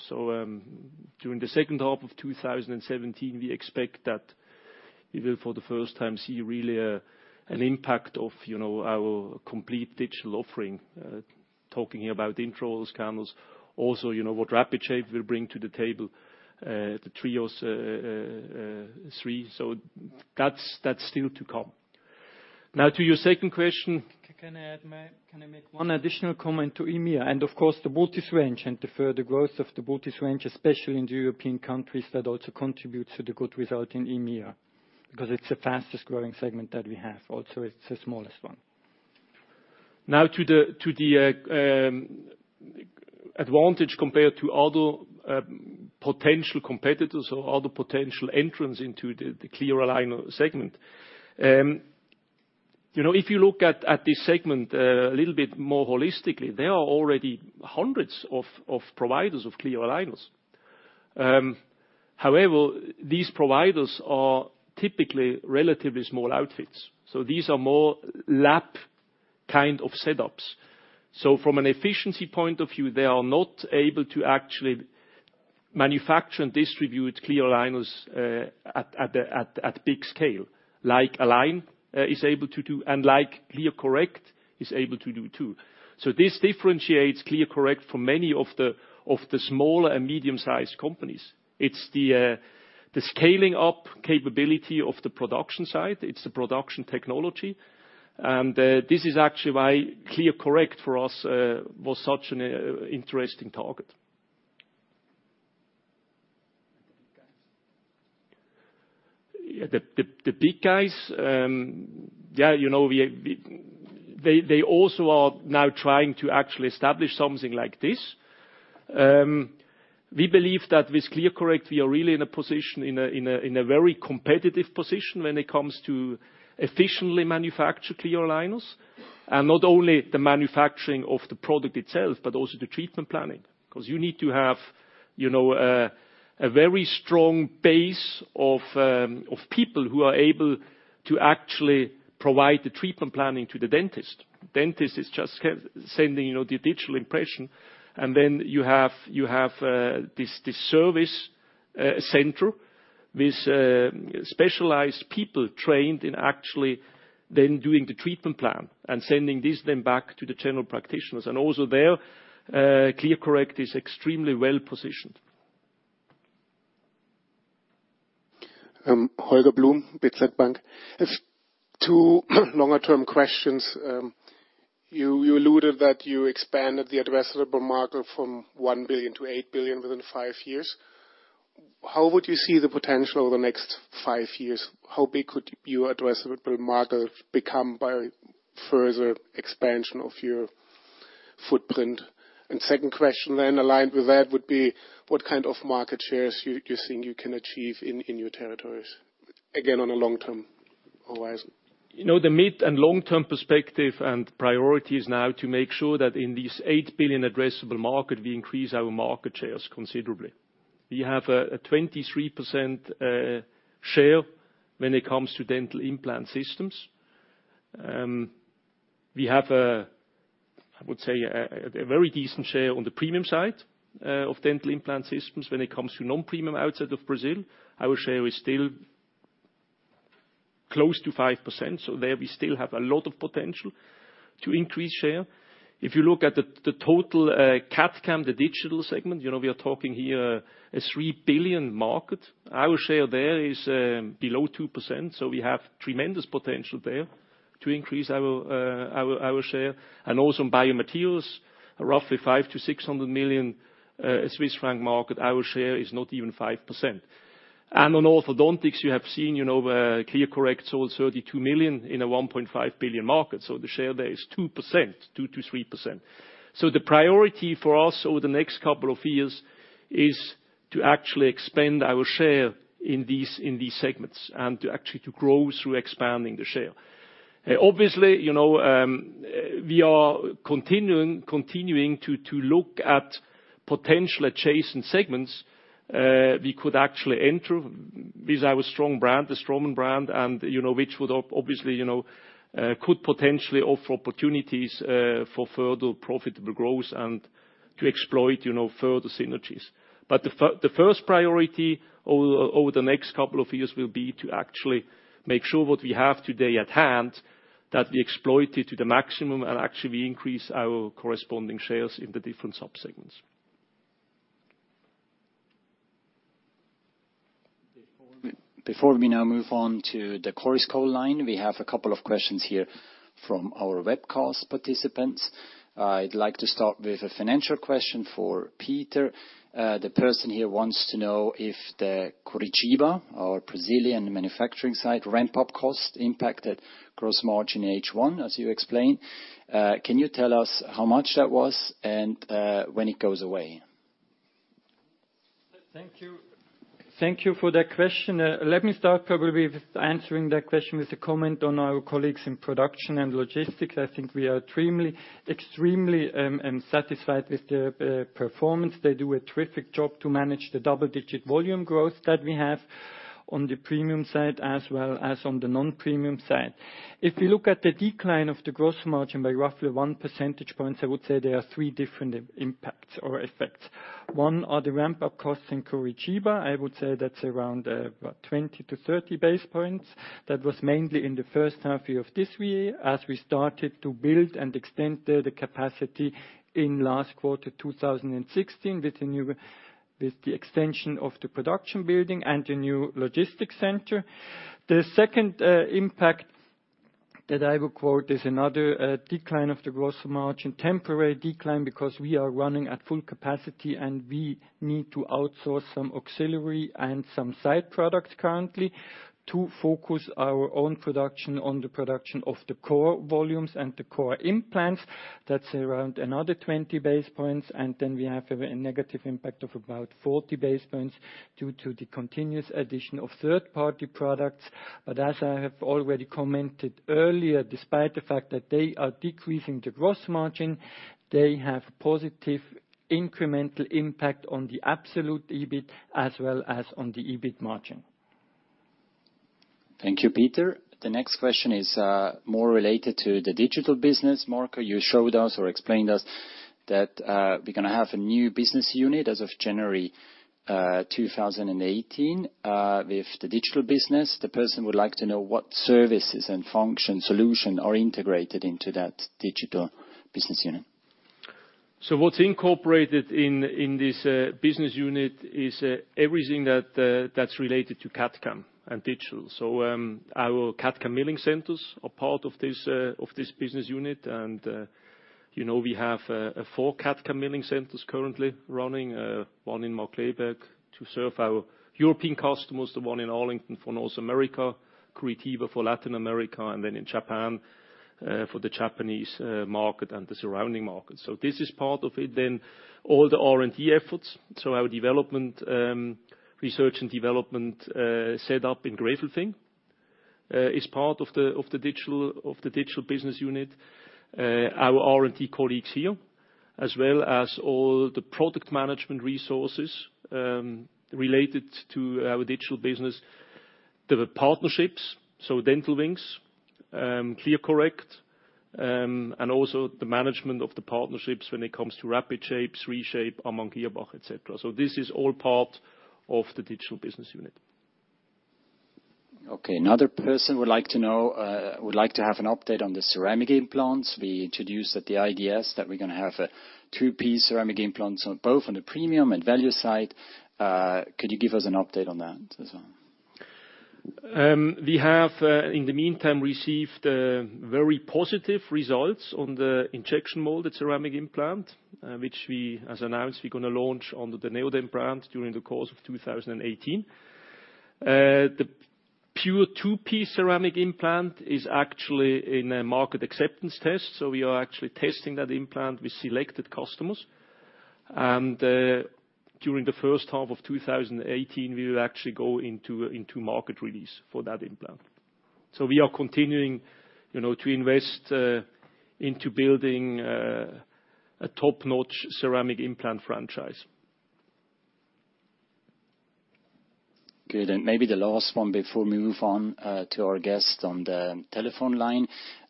During the second half of 2017, we expect that we will, for the first time, see really an impact of our complete digital offering, talking about intraorals, cameras, also what Rapid Shape will bring to the table, the TRIOS 3. That is still to come. Now to your second question. Can I make one additional comment to EMEA? Of course, the Multi-unit range and the further growth of the Multi-unit range, especially in the European countries that also contribute to the good result in EMEA, because it is the fastest-growing segment that we have. Also, it is the smallest one. Now to the advantage compared to other potential competitors or other potential entrants into the clear aligner segment. If you look at this segment a little bit more holistically, there are already hundreds of providers of clear aligners. However, these providers are typically relatively small outfits. These are more lab kind of setups. From an efficiency point of view, they are not able to actually manufacture and distribute clear aligners at big scale, like Align is able to do, and like ClearCorrect is able to do too. This differentiates ClearCorrect from many of the smaller and medium-sized companies. It's the scaling up capability of the production side. It's the production technology. This is actually why ClearCorrect, for us, was such an interesting target. The big guys, they also are now trying to actually establish something like this. We believe that with ClearCorrect, we are really in a very competitive position when it comes to efficiently manufacture clear aligners. Not only the manufacturing of the product itself, but also the treatment planning. You need to have a very strong base of people who are able to actually provide the treatment planning to the dentist. Dentist is just sending the digital impression, then you have this service center with specialized people trained in actually then doing the treatment plan and sending this then back to the general practitioners. Also there, ClearCorrect is extremely well-positioned. Holger Blum, DZ Bank. Two longer-term questions. You alluded that you expanded the addressable market from 1 billion to 8 billion within five years. How would you see the potential over the next five years? How big could your addressable market become by further expansion of your footprint? Second question then aligned with that would be what kind of market shares you think you can achieve in your territories, again, on a long-term horizon? The mid- and long-term perspective and priority is now to make sure that in this 8 billion addressable market, we increase our market shares considerably. We have a 23% share when it comes to dental implant systems. We have, I would say, a very decent share on the premium side of dental implant systems. When it comes to non-premium outside of Brazil, our share is still close to 5%. There we still have a lot of potential to increase share. If you look at the total CAD/CAM, the digital segment, we are talking here a 3 billion market. Our share there is below 2%. We have tremendous potential there to increase our share. Also in biomaterials, a roughly 500 million-600 million Swiss franc market, our share is not even 5%. On orthodontics, you have seen ClearCorrect sold 32 million in a 1.5 billion market. The share there is 2%, 2%-3%. The priority for us over the next couple of years is to actually expand our share in these segments and actually to grow through expanding the share. Obviously, we are continuing to look at potential adjacent segments we could actually enter with our strong brand, the Straumann brand, which obviously could potentially offer opportunities for further profitable growth and to exploit further synergies. The first priority over the next couple of years will be to actually make sure what we have today at hand, that we exploit it to the maximum and actually increase our corresponding shares in the different subsegments. Before we now move on to the Chorus Call line, we have a couple of questions here from our webcast participants. I'd like to start with a financial question for Peter. The person here wants to know if the Curitiba, our Brazilian manufacturing site, ramp-up cost impacted gross margin in H1, as you explained. Can you tell us how much that was and when it goes away? Thank you for that question. Let me start probably with answering that question with a comment on our colleagues in production and logistics. I think we are extremely satisfied with their performance. They do a terrific job to manage the double-digit volume growth that we have on the premium side, as well as on the non-premium side. If we look at the decline of the gross margin by roughly one percentage point, I would say there are three different impacts or effects. One are the ramp-up costs in Curitiba. I would say that is around 20-30 basis points. That was mainly in the first half of this year as we started to build and extend the capacity in last Q4 2016, with the extension of the production building and the new logistics center. The second impact that I would quote is another decline of the gross margin, temporary decline, because we are running at full capacity, and we need to outsource some auxiliary and some side products currently to focus our own production on the production of the core volumes and the core implants. That is around another 20 basis points. Then we have a negative impact of about 40 basis points due to the continuous addition of third-party products. As I have already commented earlier, despite the fact that they are decreasing the gross margin, they have positive incremental impact on the absolute EBIT as well as on the EBIT margin. Thank you, Peter. The next question is more related to the digital business. Marco, you showed us or explained to us that we're going to have a new business unit as of January 2018 with the digital business. The person would like to know what services and function solution are integrated into that digital business unit. What's incorporated in this business unit is everything that's related to CAD/CAM and digital. Our CAD/CAM milling centers are part of this business unit. We have four CAD/CAM milling centers currently running, one in Markkleeberg to serve our European customers, the one in Arlington for North America, Curitiba for Latin America, and then in Japan for the Japanese market and the surrounding markets. This is part of it, then all the R&D efforts. Our research and development set up in Gräfelfing is part of the digital business unit. Our R&D colleagues here, as well as all the product management resources related to our digital business. There are partnerships, Dental Wings, ClearCorrect, and also the management of the partnerships when it comes to Rapid Shape, Reshape, Amann Girrbach, et cetera. This is all part of the digital business unit. Another person would like to have an update on the ceramic implants. We introduced at the IDS that we're going to have a two-piece ceramic implants both on the premium and value side. Could you give us an update on that as well? We have, in the meantime, received very positive results on the injection molded ceramic implant, which we, as announced, we're going to launch under the Neodent brand during the course of 2018. The pure two-piece ceramic implant is actually in a market acceptance test, we are actually testing that implant with selected customers. During the first half of 2018, we will actually go into market release for that implant. We are continuing to invest into building a top-notch ceramic implant franchise. Good, maybe the last one before we move on to our guest on the telephone line.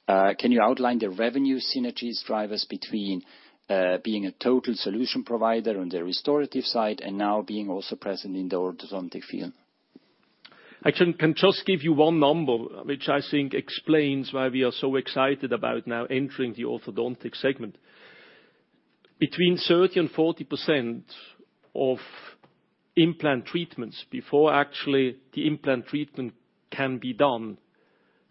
Can you outline the revenue synergies drivers between being a total solution provider on the restorative side and now being also present in the orthodontic field? I can just give you one number, which I think explains why we are so excited about now entering the orthodontic segment. Between 30% and 40% of implant treatments, before actually the implant treatment can be done,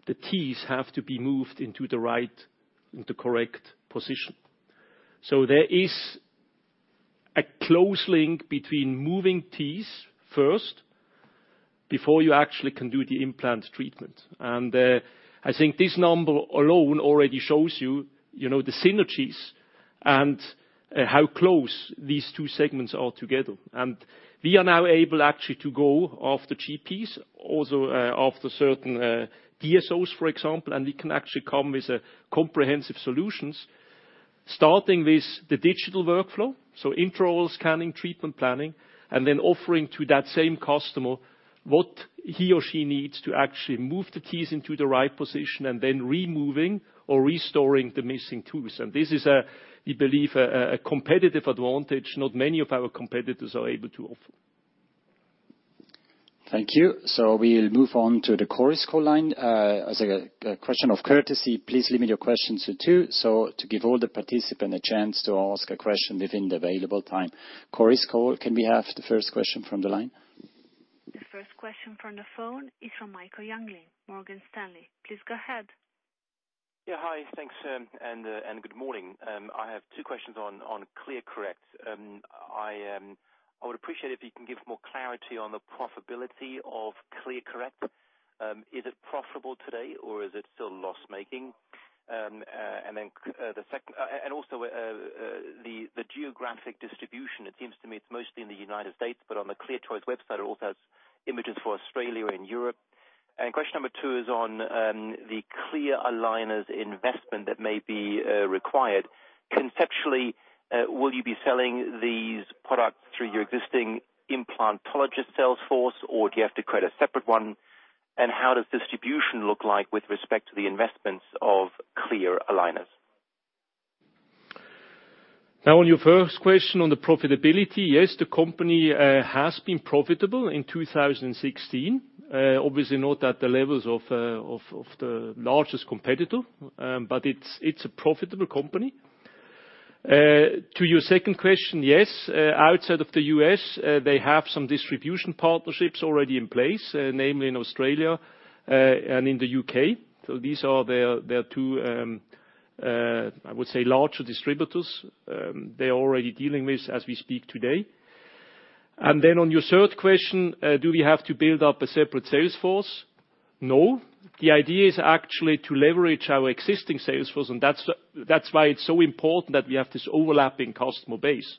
the teeth have to be moved into the correct position. There is a close link between moving teeth first before you actually can do the implant treatment. I think this number alone already shows you the synergies and how close these two segments are together. We are now able actually to go after GPs, also after certain DSOs, for example, and we can actually come with comprehensive solutions, starting with the digital workflow, so intraoral scanning, treatment planning, and then offering to that same customer what he or she needs to actually move the teeth into the right position and then removing or restoring the missing teeth. This is, we believe, a competitive advantage not many of our competitors are able to offer. Thank you. We'll move on to the Chorus Call line. As a question of courtesy, please limit your questions to two, so to give all the participants a chance to ask a question within the available time. Chorus Call, can we have the first question from the line? The first question from the phone is from Michael Jüngling, Morgan Stanley. Please go ahead. Hi, thanks, and good morning. I have two questions on ClearCorrect. I would appreciate it if you can give more clarity on the profitability of ClearCorrect. Is it profitable today or is it still loss-making? Also the geographic distribution. It seems to me it's mostly in the U.S., but on the ClearCorrect website, it also has images for Australia and Europe. Question number two is on the clear aligners investment that may be required. Conceptually, will you be selling these products through your existing implantologist sales force, or do you have to create a separate one? How does distribution look like with respect to the investments of clear aligners? On your first question on the profitability. Yes, the company has been profitable in 2016. Obviously not at the levels of the largest competitor, but it's a profitable company. To your second question, yes. Outside of the U.S., they have some distribution partnerships already in place, namely in Australia, and in the U.K. These are their two, I would say, larger distributors. They're already dealing with as we speak today. On your third question, do we have to build up a separate sales force? No. The idea is actually to leverage our existing sales force, and that's why it's so important that we have this overlapping customer base.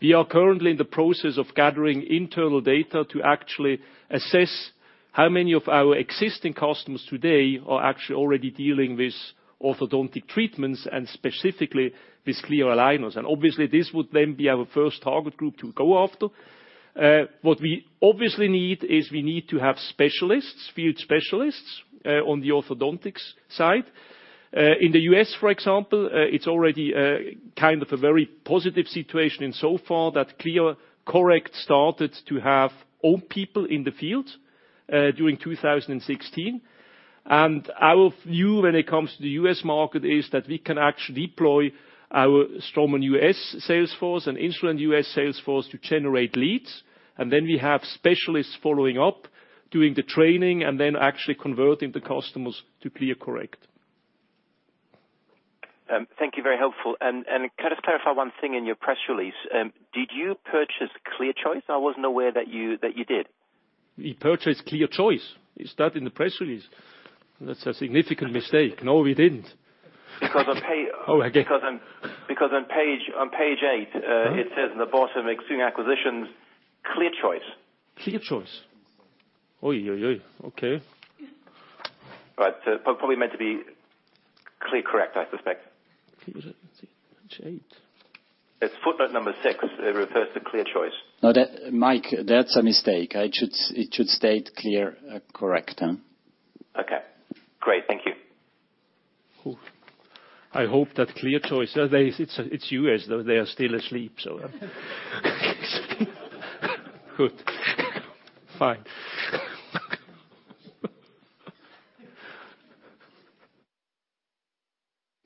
We are currently in the process of gathering internal data to actually assess how many of our existing customers today are actually already dealing with orthodontic treatments, and specifically with clear aligners. Obviously this would then be our first target group to go after. What we obviously need is we need to have specialists, field specialists, on the orthodontics side. In the U.S., for example, it's already a very positive situation in so far that ClearCorrect started to have own people in the field, during 2016. Our view when it comes to the U.S. market is that we can actually deploy our Straumann U.S. sales force and Instradent U.S. sales force to generate leads. Then we have specialists following up, doing the training, and then actually converting the customers to ClearCorrect. Thank you. Very helpful. Can I just clarify one thing in your press release? Did you purchase Clear Choice? I wasn't aware that you did. We purchased Clear Choice. It's stated in the press release. That's a significant mistake. No, we didn't. Because on- Oh, okay. on page eight. it says in the bottom, "Assuming acquisitions, Clear Choice. Clear Choice? Oi, oi. Okay. Right. Probably meant to be Clear Choice, I suspect. Page eight. It's footnote number six. It refers to Clear Choice. No, Mike, that's a mistake. It should state Clear Choice. Okay, great. Thank you. I hope that Clear Choice-- it's U.S., though, they are still asleep. Good. Fine.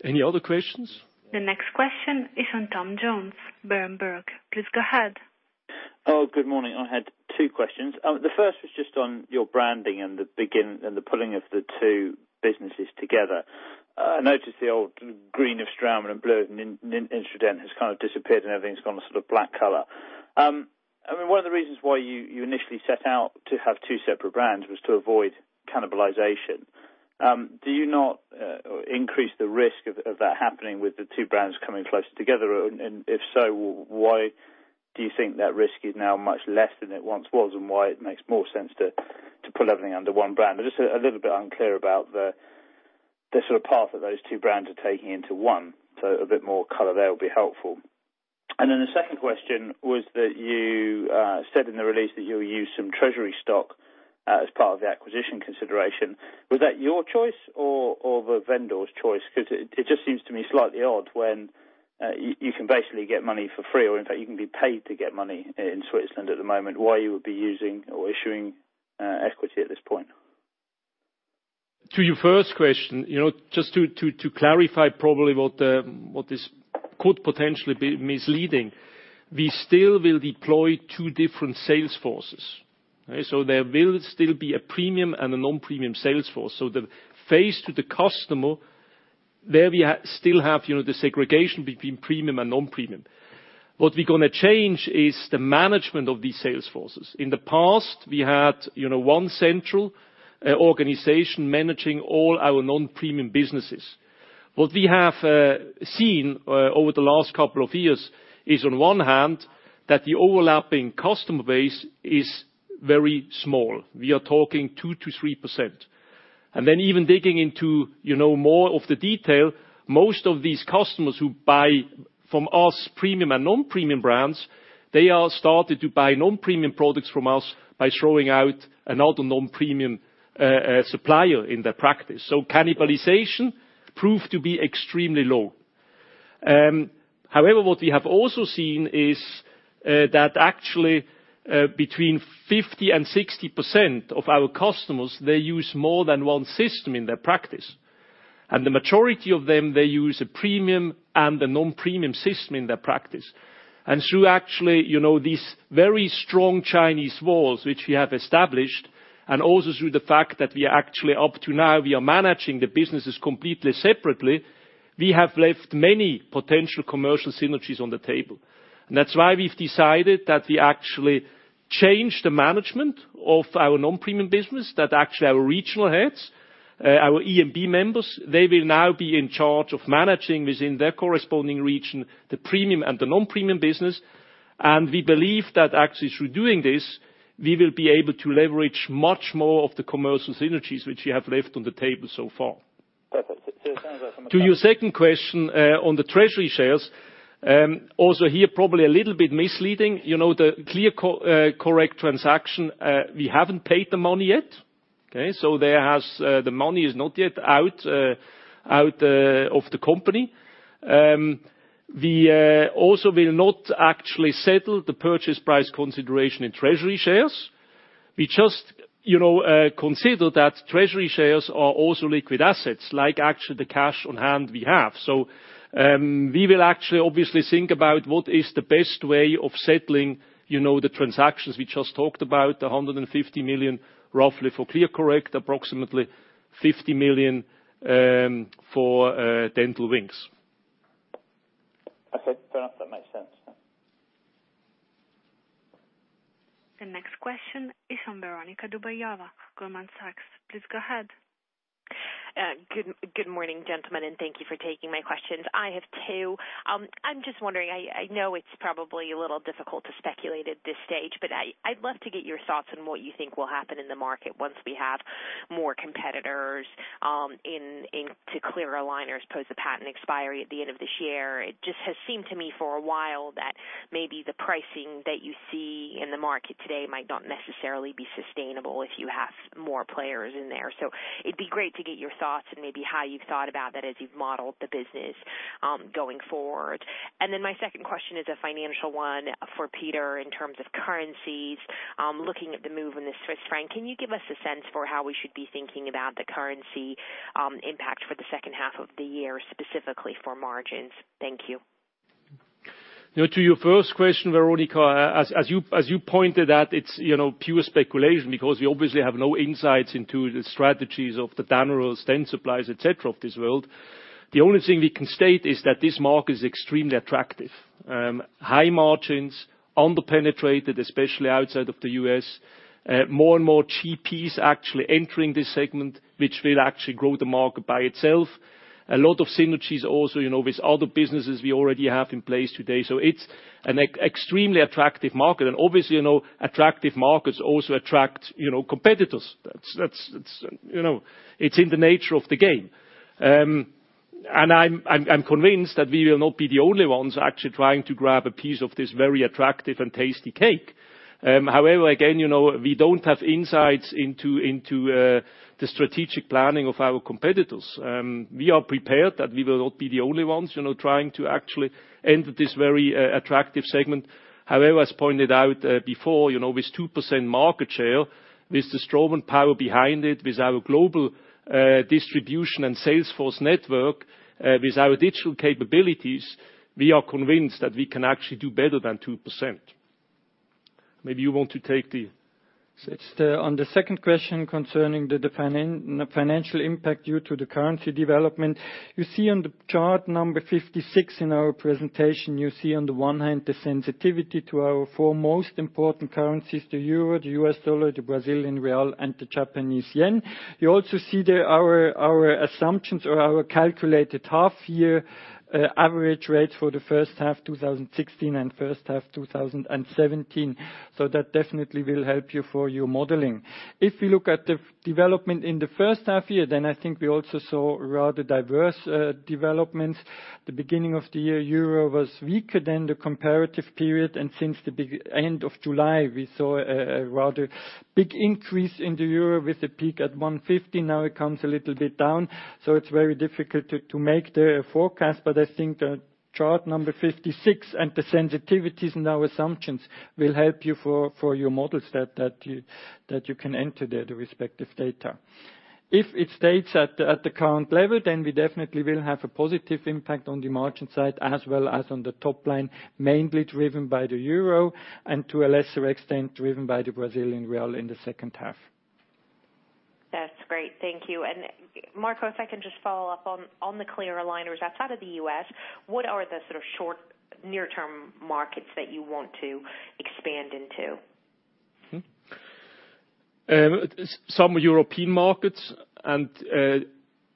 Any other questions? The next question is from Tom Jones, Berenberg. Please go ahead. Good morning. I had two questions. The first was just on your branding and the pulling of the two businesses together. I noticed the old green of Straumann and blue of Instradent has kind of disappeared, and everything's gone a sort of black color. One of the reasons why you initially set out to have two separate brands was to avoid cannibalization. Do you not increase the risk of that happening with the two brands coming closer together? If so, why do you think that risk is now much less than it once was, and why it makes more sense to pull everything under one brand? I'm just a little bit unclear about the path that those two brands are taking into one. A bit more color there would be helpful. The second question was that you said in the release that you'll use some treasury stock as part of the acquisition consideration. Was that your choice or the vendor's choice? Because it just seems to me slightly odd when you can basically get money for free, or in fact, you can be paid to get money in Switzerland at the moment, why you would be using or issuing equity at this point. To your first question, just to clarify probably what this could potentially be misleading. We still will deploy two different sales forces. There will still be a premium and a non-premium sales force. The face to the customer, there we still have the segregation between premium and non-premium. What we're going to change is the management of these sales forces. In the past, we had one central organization managing all our non-premium businesses. What we have seen over the last couple of years is, on one hand, that the overlapping customer base is very small. We are talking 2%-3%. Then even digging into more of the detail, most of these customers who buy from us premium and non-premium brands, they all started to buy non-premium products from us by throwing out another non-premium supplier in their practice. Cannibalization proved to be extremely low. However, what we have also seen is that actually between 50% and 60% of our customers, they use more than one system in their practice. The majority of them, they use a premium and a non-premium system in their practice. Through actually these very strong Chinese walls, which we have established, and also through the fact that we are actually up to now, we are managing the businesses completely separately. We have left many potential commercial synergies on the table. That's why we've decided that we actually change the management of our non-premium business, that actually our regional heads, our EMB members, they will now be in charge of managing within their corresponding region, the premium and the non-premium business. We believe that actually through doing this, we will be able to leverage much more of the commercial synergies which we have left on the table so far. Perfect. To your second question, on the treasury shares. Also here, probably a little bit misleading. The Clear Choice transaction, we haven't paid the money yet. Okay. The money is not yet out of the company. We also will not actually settle the purchase price consideration in treasury shares. We just consider that treasury shares are also liquid assets, like actually the cash on hand we have. We will actually obviously think about what is the best way of settling the transactions. We just talked about 150 million, roughly, for Clear Choice, approximately 50 million for Dental Wings. Okay. That makes sense. The next question is from Veronika Dubajova, Goldman Sachs. Please go ahead. Good morning, gentlemen, thank you for taking my questions. I have two. I'm just wondering, I know it's probably a little difficult to speculate at this stage, but I'd love to get your thoughts on what you think will happen in the market once we have more competitors into clear aligners post the patent expiry at the end of this year. It just has seemed to me for a while that maybe the pricing that you see in the market today might not necessarily be sustainable if you have more players in there. It'd be great to get your thoughts and maybe how you've thought about that as you've modeled the business going forward. Then my second question is a financial one for Peter in terms of currencies. Looking at the move in the Swiss franc, can you give us a sense for how we should be thinking about the currency impact for the second half of the year, specifically for margins? Thank you. To your first question, Veronika, as you pointed out, it's pure speculation because we obviously have no insights into the strategies of the Danaher, Dentsply Sirona, et cetera, of this world. The only thing we can state is that this market is extremely attractive. High margins, under-penetrated, especially outside of the U.S. More and more GPs actually entering this segment, which will actually grow the market by itself. A lot of synergies also with other businesses we already have in place today. It's an extremely attractive market. Obviously, attractive markets also attract competitors. It's in the nature of the game. I'm convinced that we will not be the only ones actually trying to grab a piece of this very attractive and tasty cake. However, again, we don't have insights into the strategic planning of our competitors. We are prepared that we will not be the only ones trying to actually enter this very attractive segment. However, as pointed out before, with 2% market share, with the Straumann power behind it, with our global distribution and sales force network, with our digital capabilities, we are convinced that we can actually do better than 2%. On the second question concerning the financial impact due to the currency development. You see on the chart number 56 in our presentation, you see on the one hand, the sensitivity to our four most important currencies, the euro, the U.S. dollar, the Brazilian real, and the Japanese yen. You also see there our assumptions or our calculated half year average rates for the first half 2016 and first half 2017. That definitely will help you for your modeling. If we look at the development in the first half year, then I think we also saw rather diverse developments. The beginning of the year, euro was weaker than the comparative period, and since the end of July, we saw a rather big increase in the euro with the peak at 1.15. Now it comes a little bit down, it's very difficult to make the forecast, I think the chart number 56 and the sensitivities and our assumptions will help you for your models that you can enter there the respective data. If it stays at the current level, then we definitely will have a positive impact on the margin side as well as on the top line, mainly driven by the euro and to a lesser extent, driven by the Brazilian real in the second half. That's great. Thank you. Marco, if I can just follow up on the clear aligners outside of the U.S., what are the sort of short near term markets that you want to expand into? Some European markets, and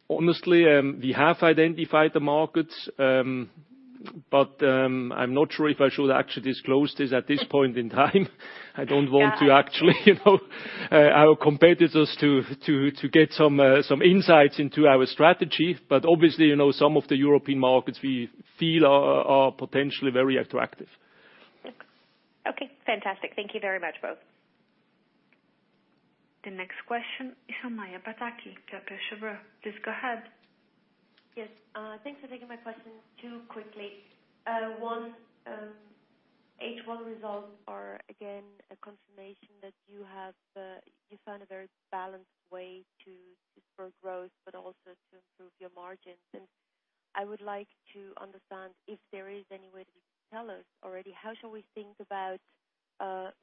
honestly, we have identified the markets, but I'm not sure if I should actually disclose this at this point in time. I don't want our competitors to get some insights into our strategy. Obviously, some of the European markets we feel are potentially very attractive. Okay. Fantastic. Thank you very much, both. The next question is from Maja Pataki, Kepler Cheuvreux. Please go ahead. Yes. Thanks for taking my question. Two quickly. One, H1 results are again a confirmation that you found a very balanced way to spur growth, but also to improve your margins. I would like to understand, if there is any way that you can tell us already, how shall we think about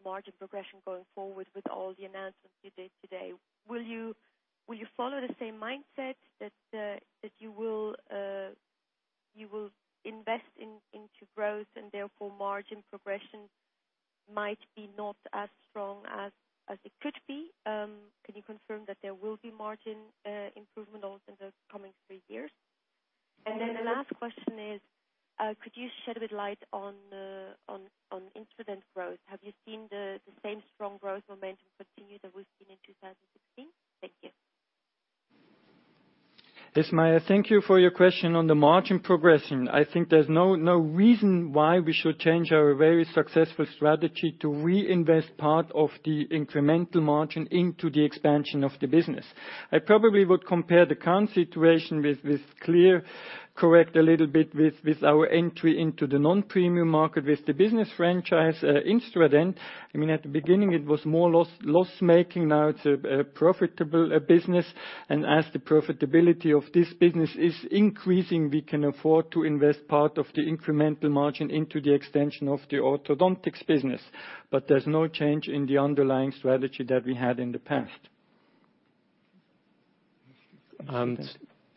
margin progression going forward with all the announcements you did today. Will you follow the same mindset that you will invest into growth and therefore margin progression might be not as strong as it could be? Can you confirm that there will be margin improvement also in the coming three years? The last question is, could you shed a bit light on Instradent growth? Have you seen the same strong growth momentum continue that we've seen in 2016? Thank you. Yes, Maja, thank you for your question on the margin progression. I think there's no reason why we should change our very successful strategy to reinvest part of the incremental margin into the expansion of the business. I probably would compare the current situation with Clear Choice a little bit with our entry into the non-premium market with the business franchise Instradent. At the beginning, it was more loss-making. Now it's a profitable business. As the profitability of this business is increasing, we can afford to invest part of the incremental margin into the extension of the orthodontics business. There's no change in the underlying strategy that we had in the past.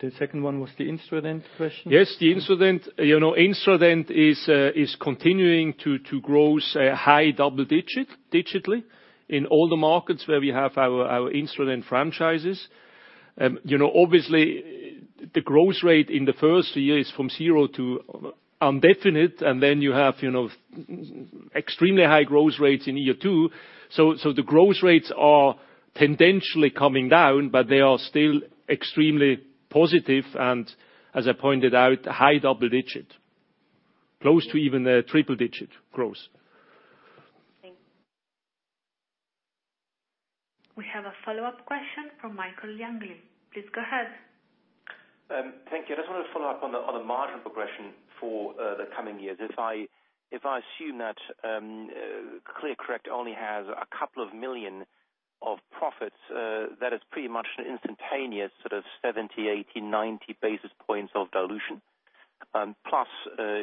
The second one was the Instradent question? Yes, the Instradent. Instradent is continuing to grow high double-digit in all the markets where we have our Instradent franchises. Obviously, the growth rate in the first year is from zero to indefinite, you have extremely high growth rates in year 2. The growth rates are tendentially coming down, they are still extremely positive and, as I pointed out, high double-digit, close to even triple-digit growth. Thank you. We have a follow-up question from Michael Jüngling. Please go ahead. Thank you. I just want to follow up on the margin progression for the coming years. If I assume that ClearCorrect only has a couple of million of profits, that is pretty much an instantaneous sort of 70, 80, 90 basis points of dilution.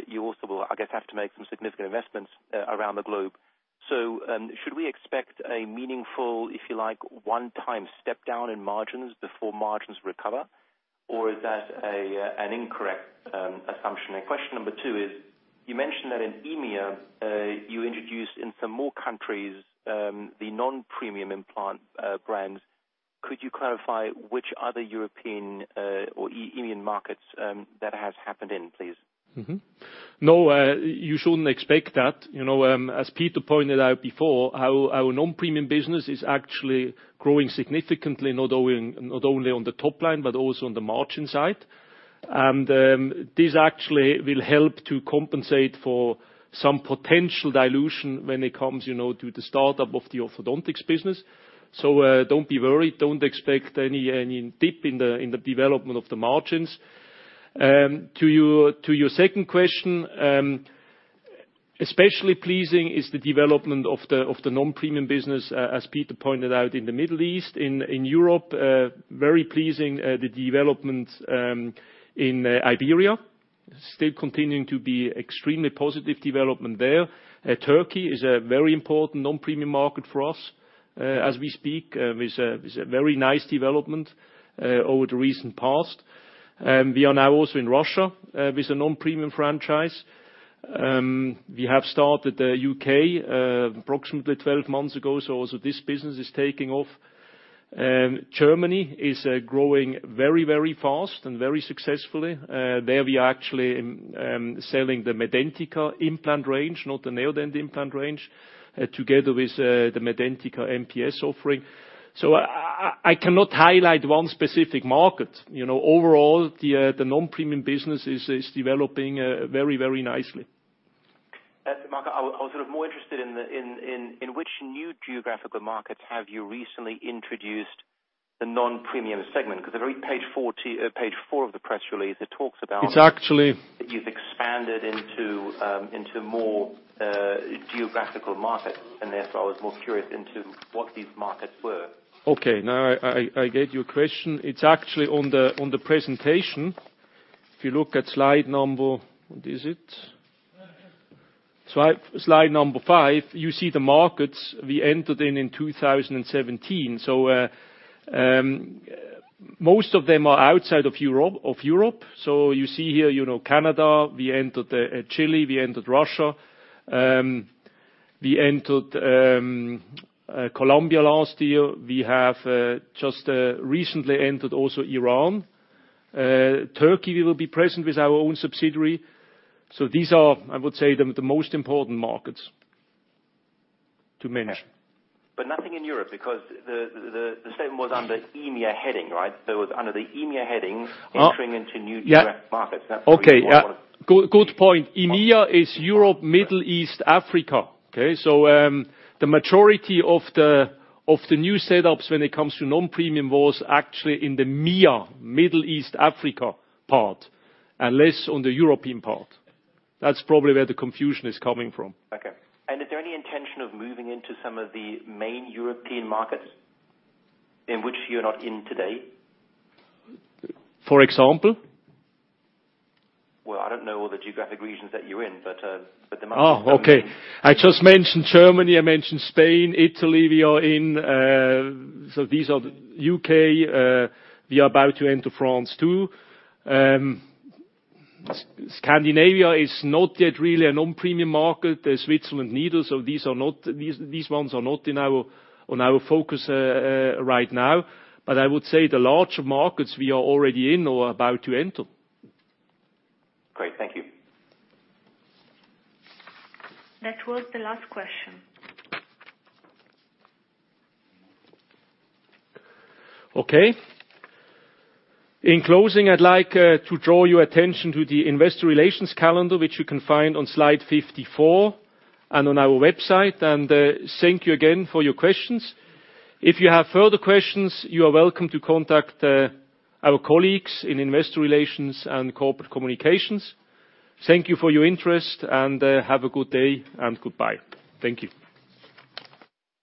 You also will, I guess, have to make some significant investments around the globe. Should we expect a meaningful, if you like, one-time step down in margins before margins recover? Or is that an incorrect assumption? Question number two is, you mentioned that in EMEA, you introduced in some more countries, the non-premium implant brands. Could you clarify which other European or EMEA markets that has happened in, please? No, you shouldn't expect that. As Peter pointed out before, our non-premium business is actually growing significantly, not only on the top line, but also on the margin side. This actually will help to compensate for some potential dilution when it comes to the startup of the orthodontics business. Don't be worried. Don't expect any dip in the development of the margins. To your second question, especially pleasing is the development of the non-premium business, as Peter pointed out in the Middle East. In Europe, very pleasing, the development in Iberia. Still continuing to be extremely positive development there. Turkey is a very important non-premium market for us as we speak, with a very nice development over the recent past. We are now also in Russia with a non-premium franchise. We have started the U.K. approximately 12 months ago, also this business is taking off. Germany is growing very fast and very successfully. There we are actually selling the Medentika implant range, not the Neodent implant range, together with the Medentika MPS offering. I cannot highlight one specific market. Overall, the non-premium business is developing very nicely. Marco, I was more interested in which new geographical markets have you recently introduced the non-premium segment? Because I read page four of the press release, it talks about. It's actually. It says that you've expanded into more geographical markets, therefore I was more curious into what these markets were. Okay. Now I get your question. It's actually on the presentation. If you look at slide number five, you see the markets we entered in in 2017. Most of them are outside of Europe. You see here Canada, we entered Chile, we entered Russia. We entered Colombia last year. We have just recently entered also Iran. Turkey will be present with our own subsidiary. These are, I would say, the most important markets to mention. Nothing in Europe, because the statement was under EMEA heading, right? It was under the EMEA heading. Entering into new direct markets. Okay. Good point. EMEA is Europe, Middle East, Africa. Okay. The majority of the new setups when it comes to non-premium was actually in the MEA, Middle East, Africa part, and less on the European part. That's probably where the confusion is coming from. Okay. Is there any intention of moving into some of the main European markets in which you're not in today? For example? Well, I don't know all the geographic regions that you're in, but there must be some. Oh, okay. I just mentioned Germany, I mentioned Spain. Italy we are in. U.K. We are about to enter France, too. Scandinavia is not yet really a non-premium market. Switzerland, neither. These ones are not on our focus right now. I would say the larger markets we are already in or about to enter. Great. Thank you. That was the last question. Okay. In closing, I'd like to draw your attention to the investor relations calendar, which you can find on slide 54 and on our website. Thank you again for your questions. If you have further questions, you are welcome to contact our colleagues in investor relations and corporate communications. Thank you for your interest, and have a good day and goodbye. Thank you.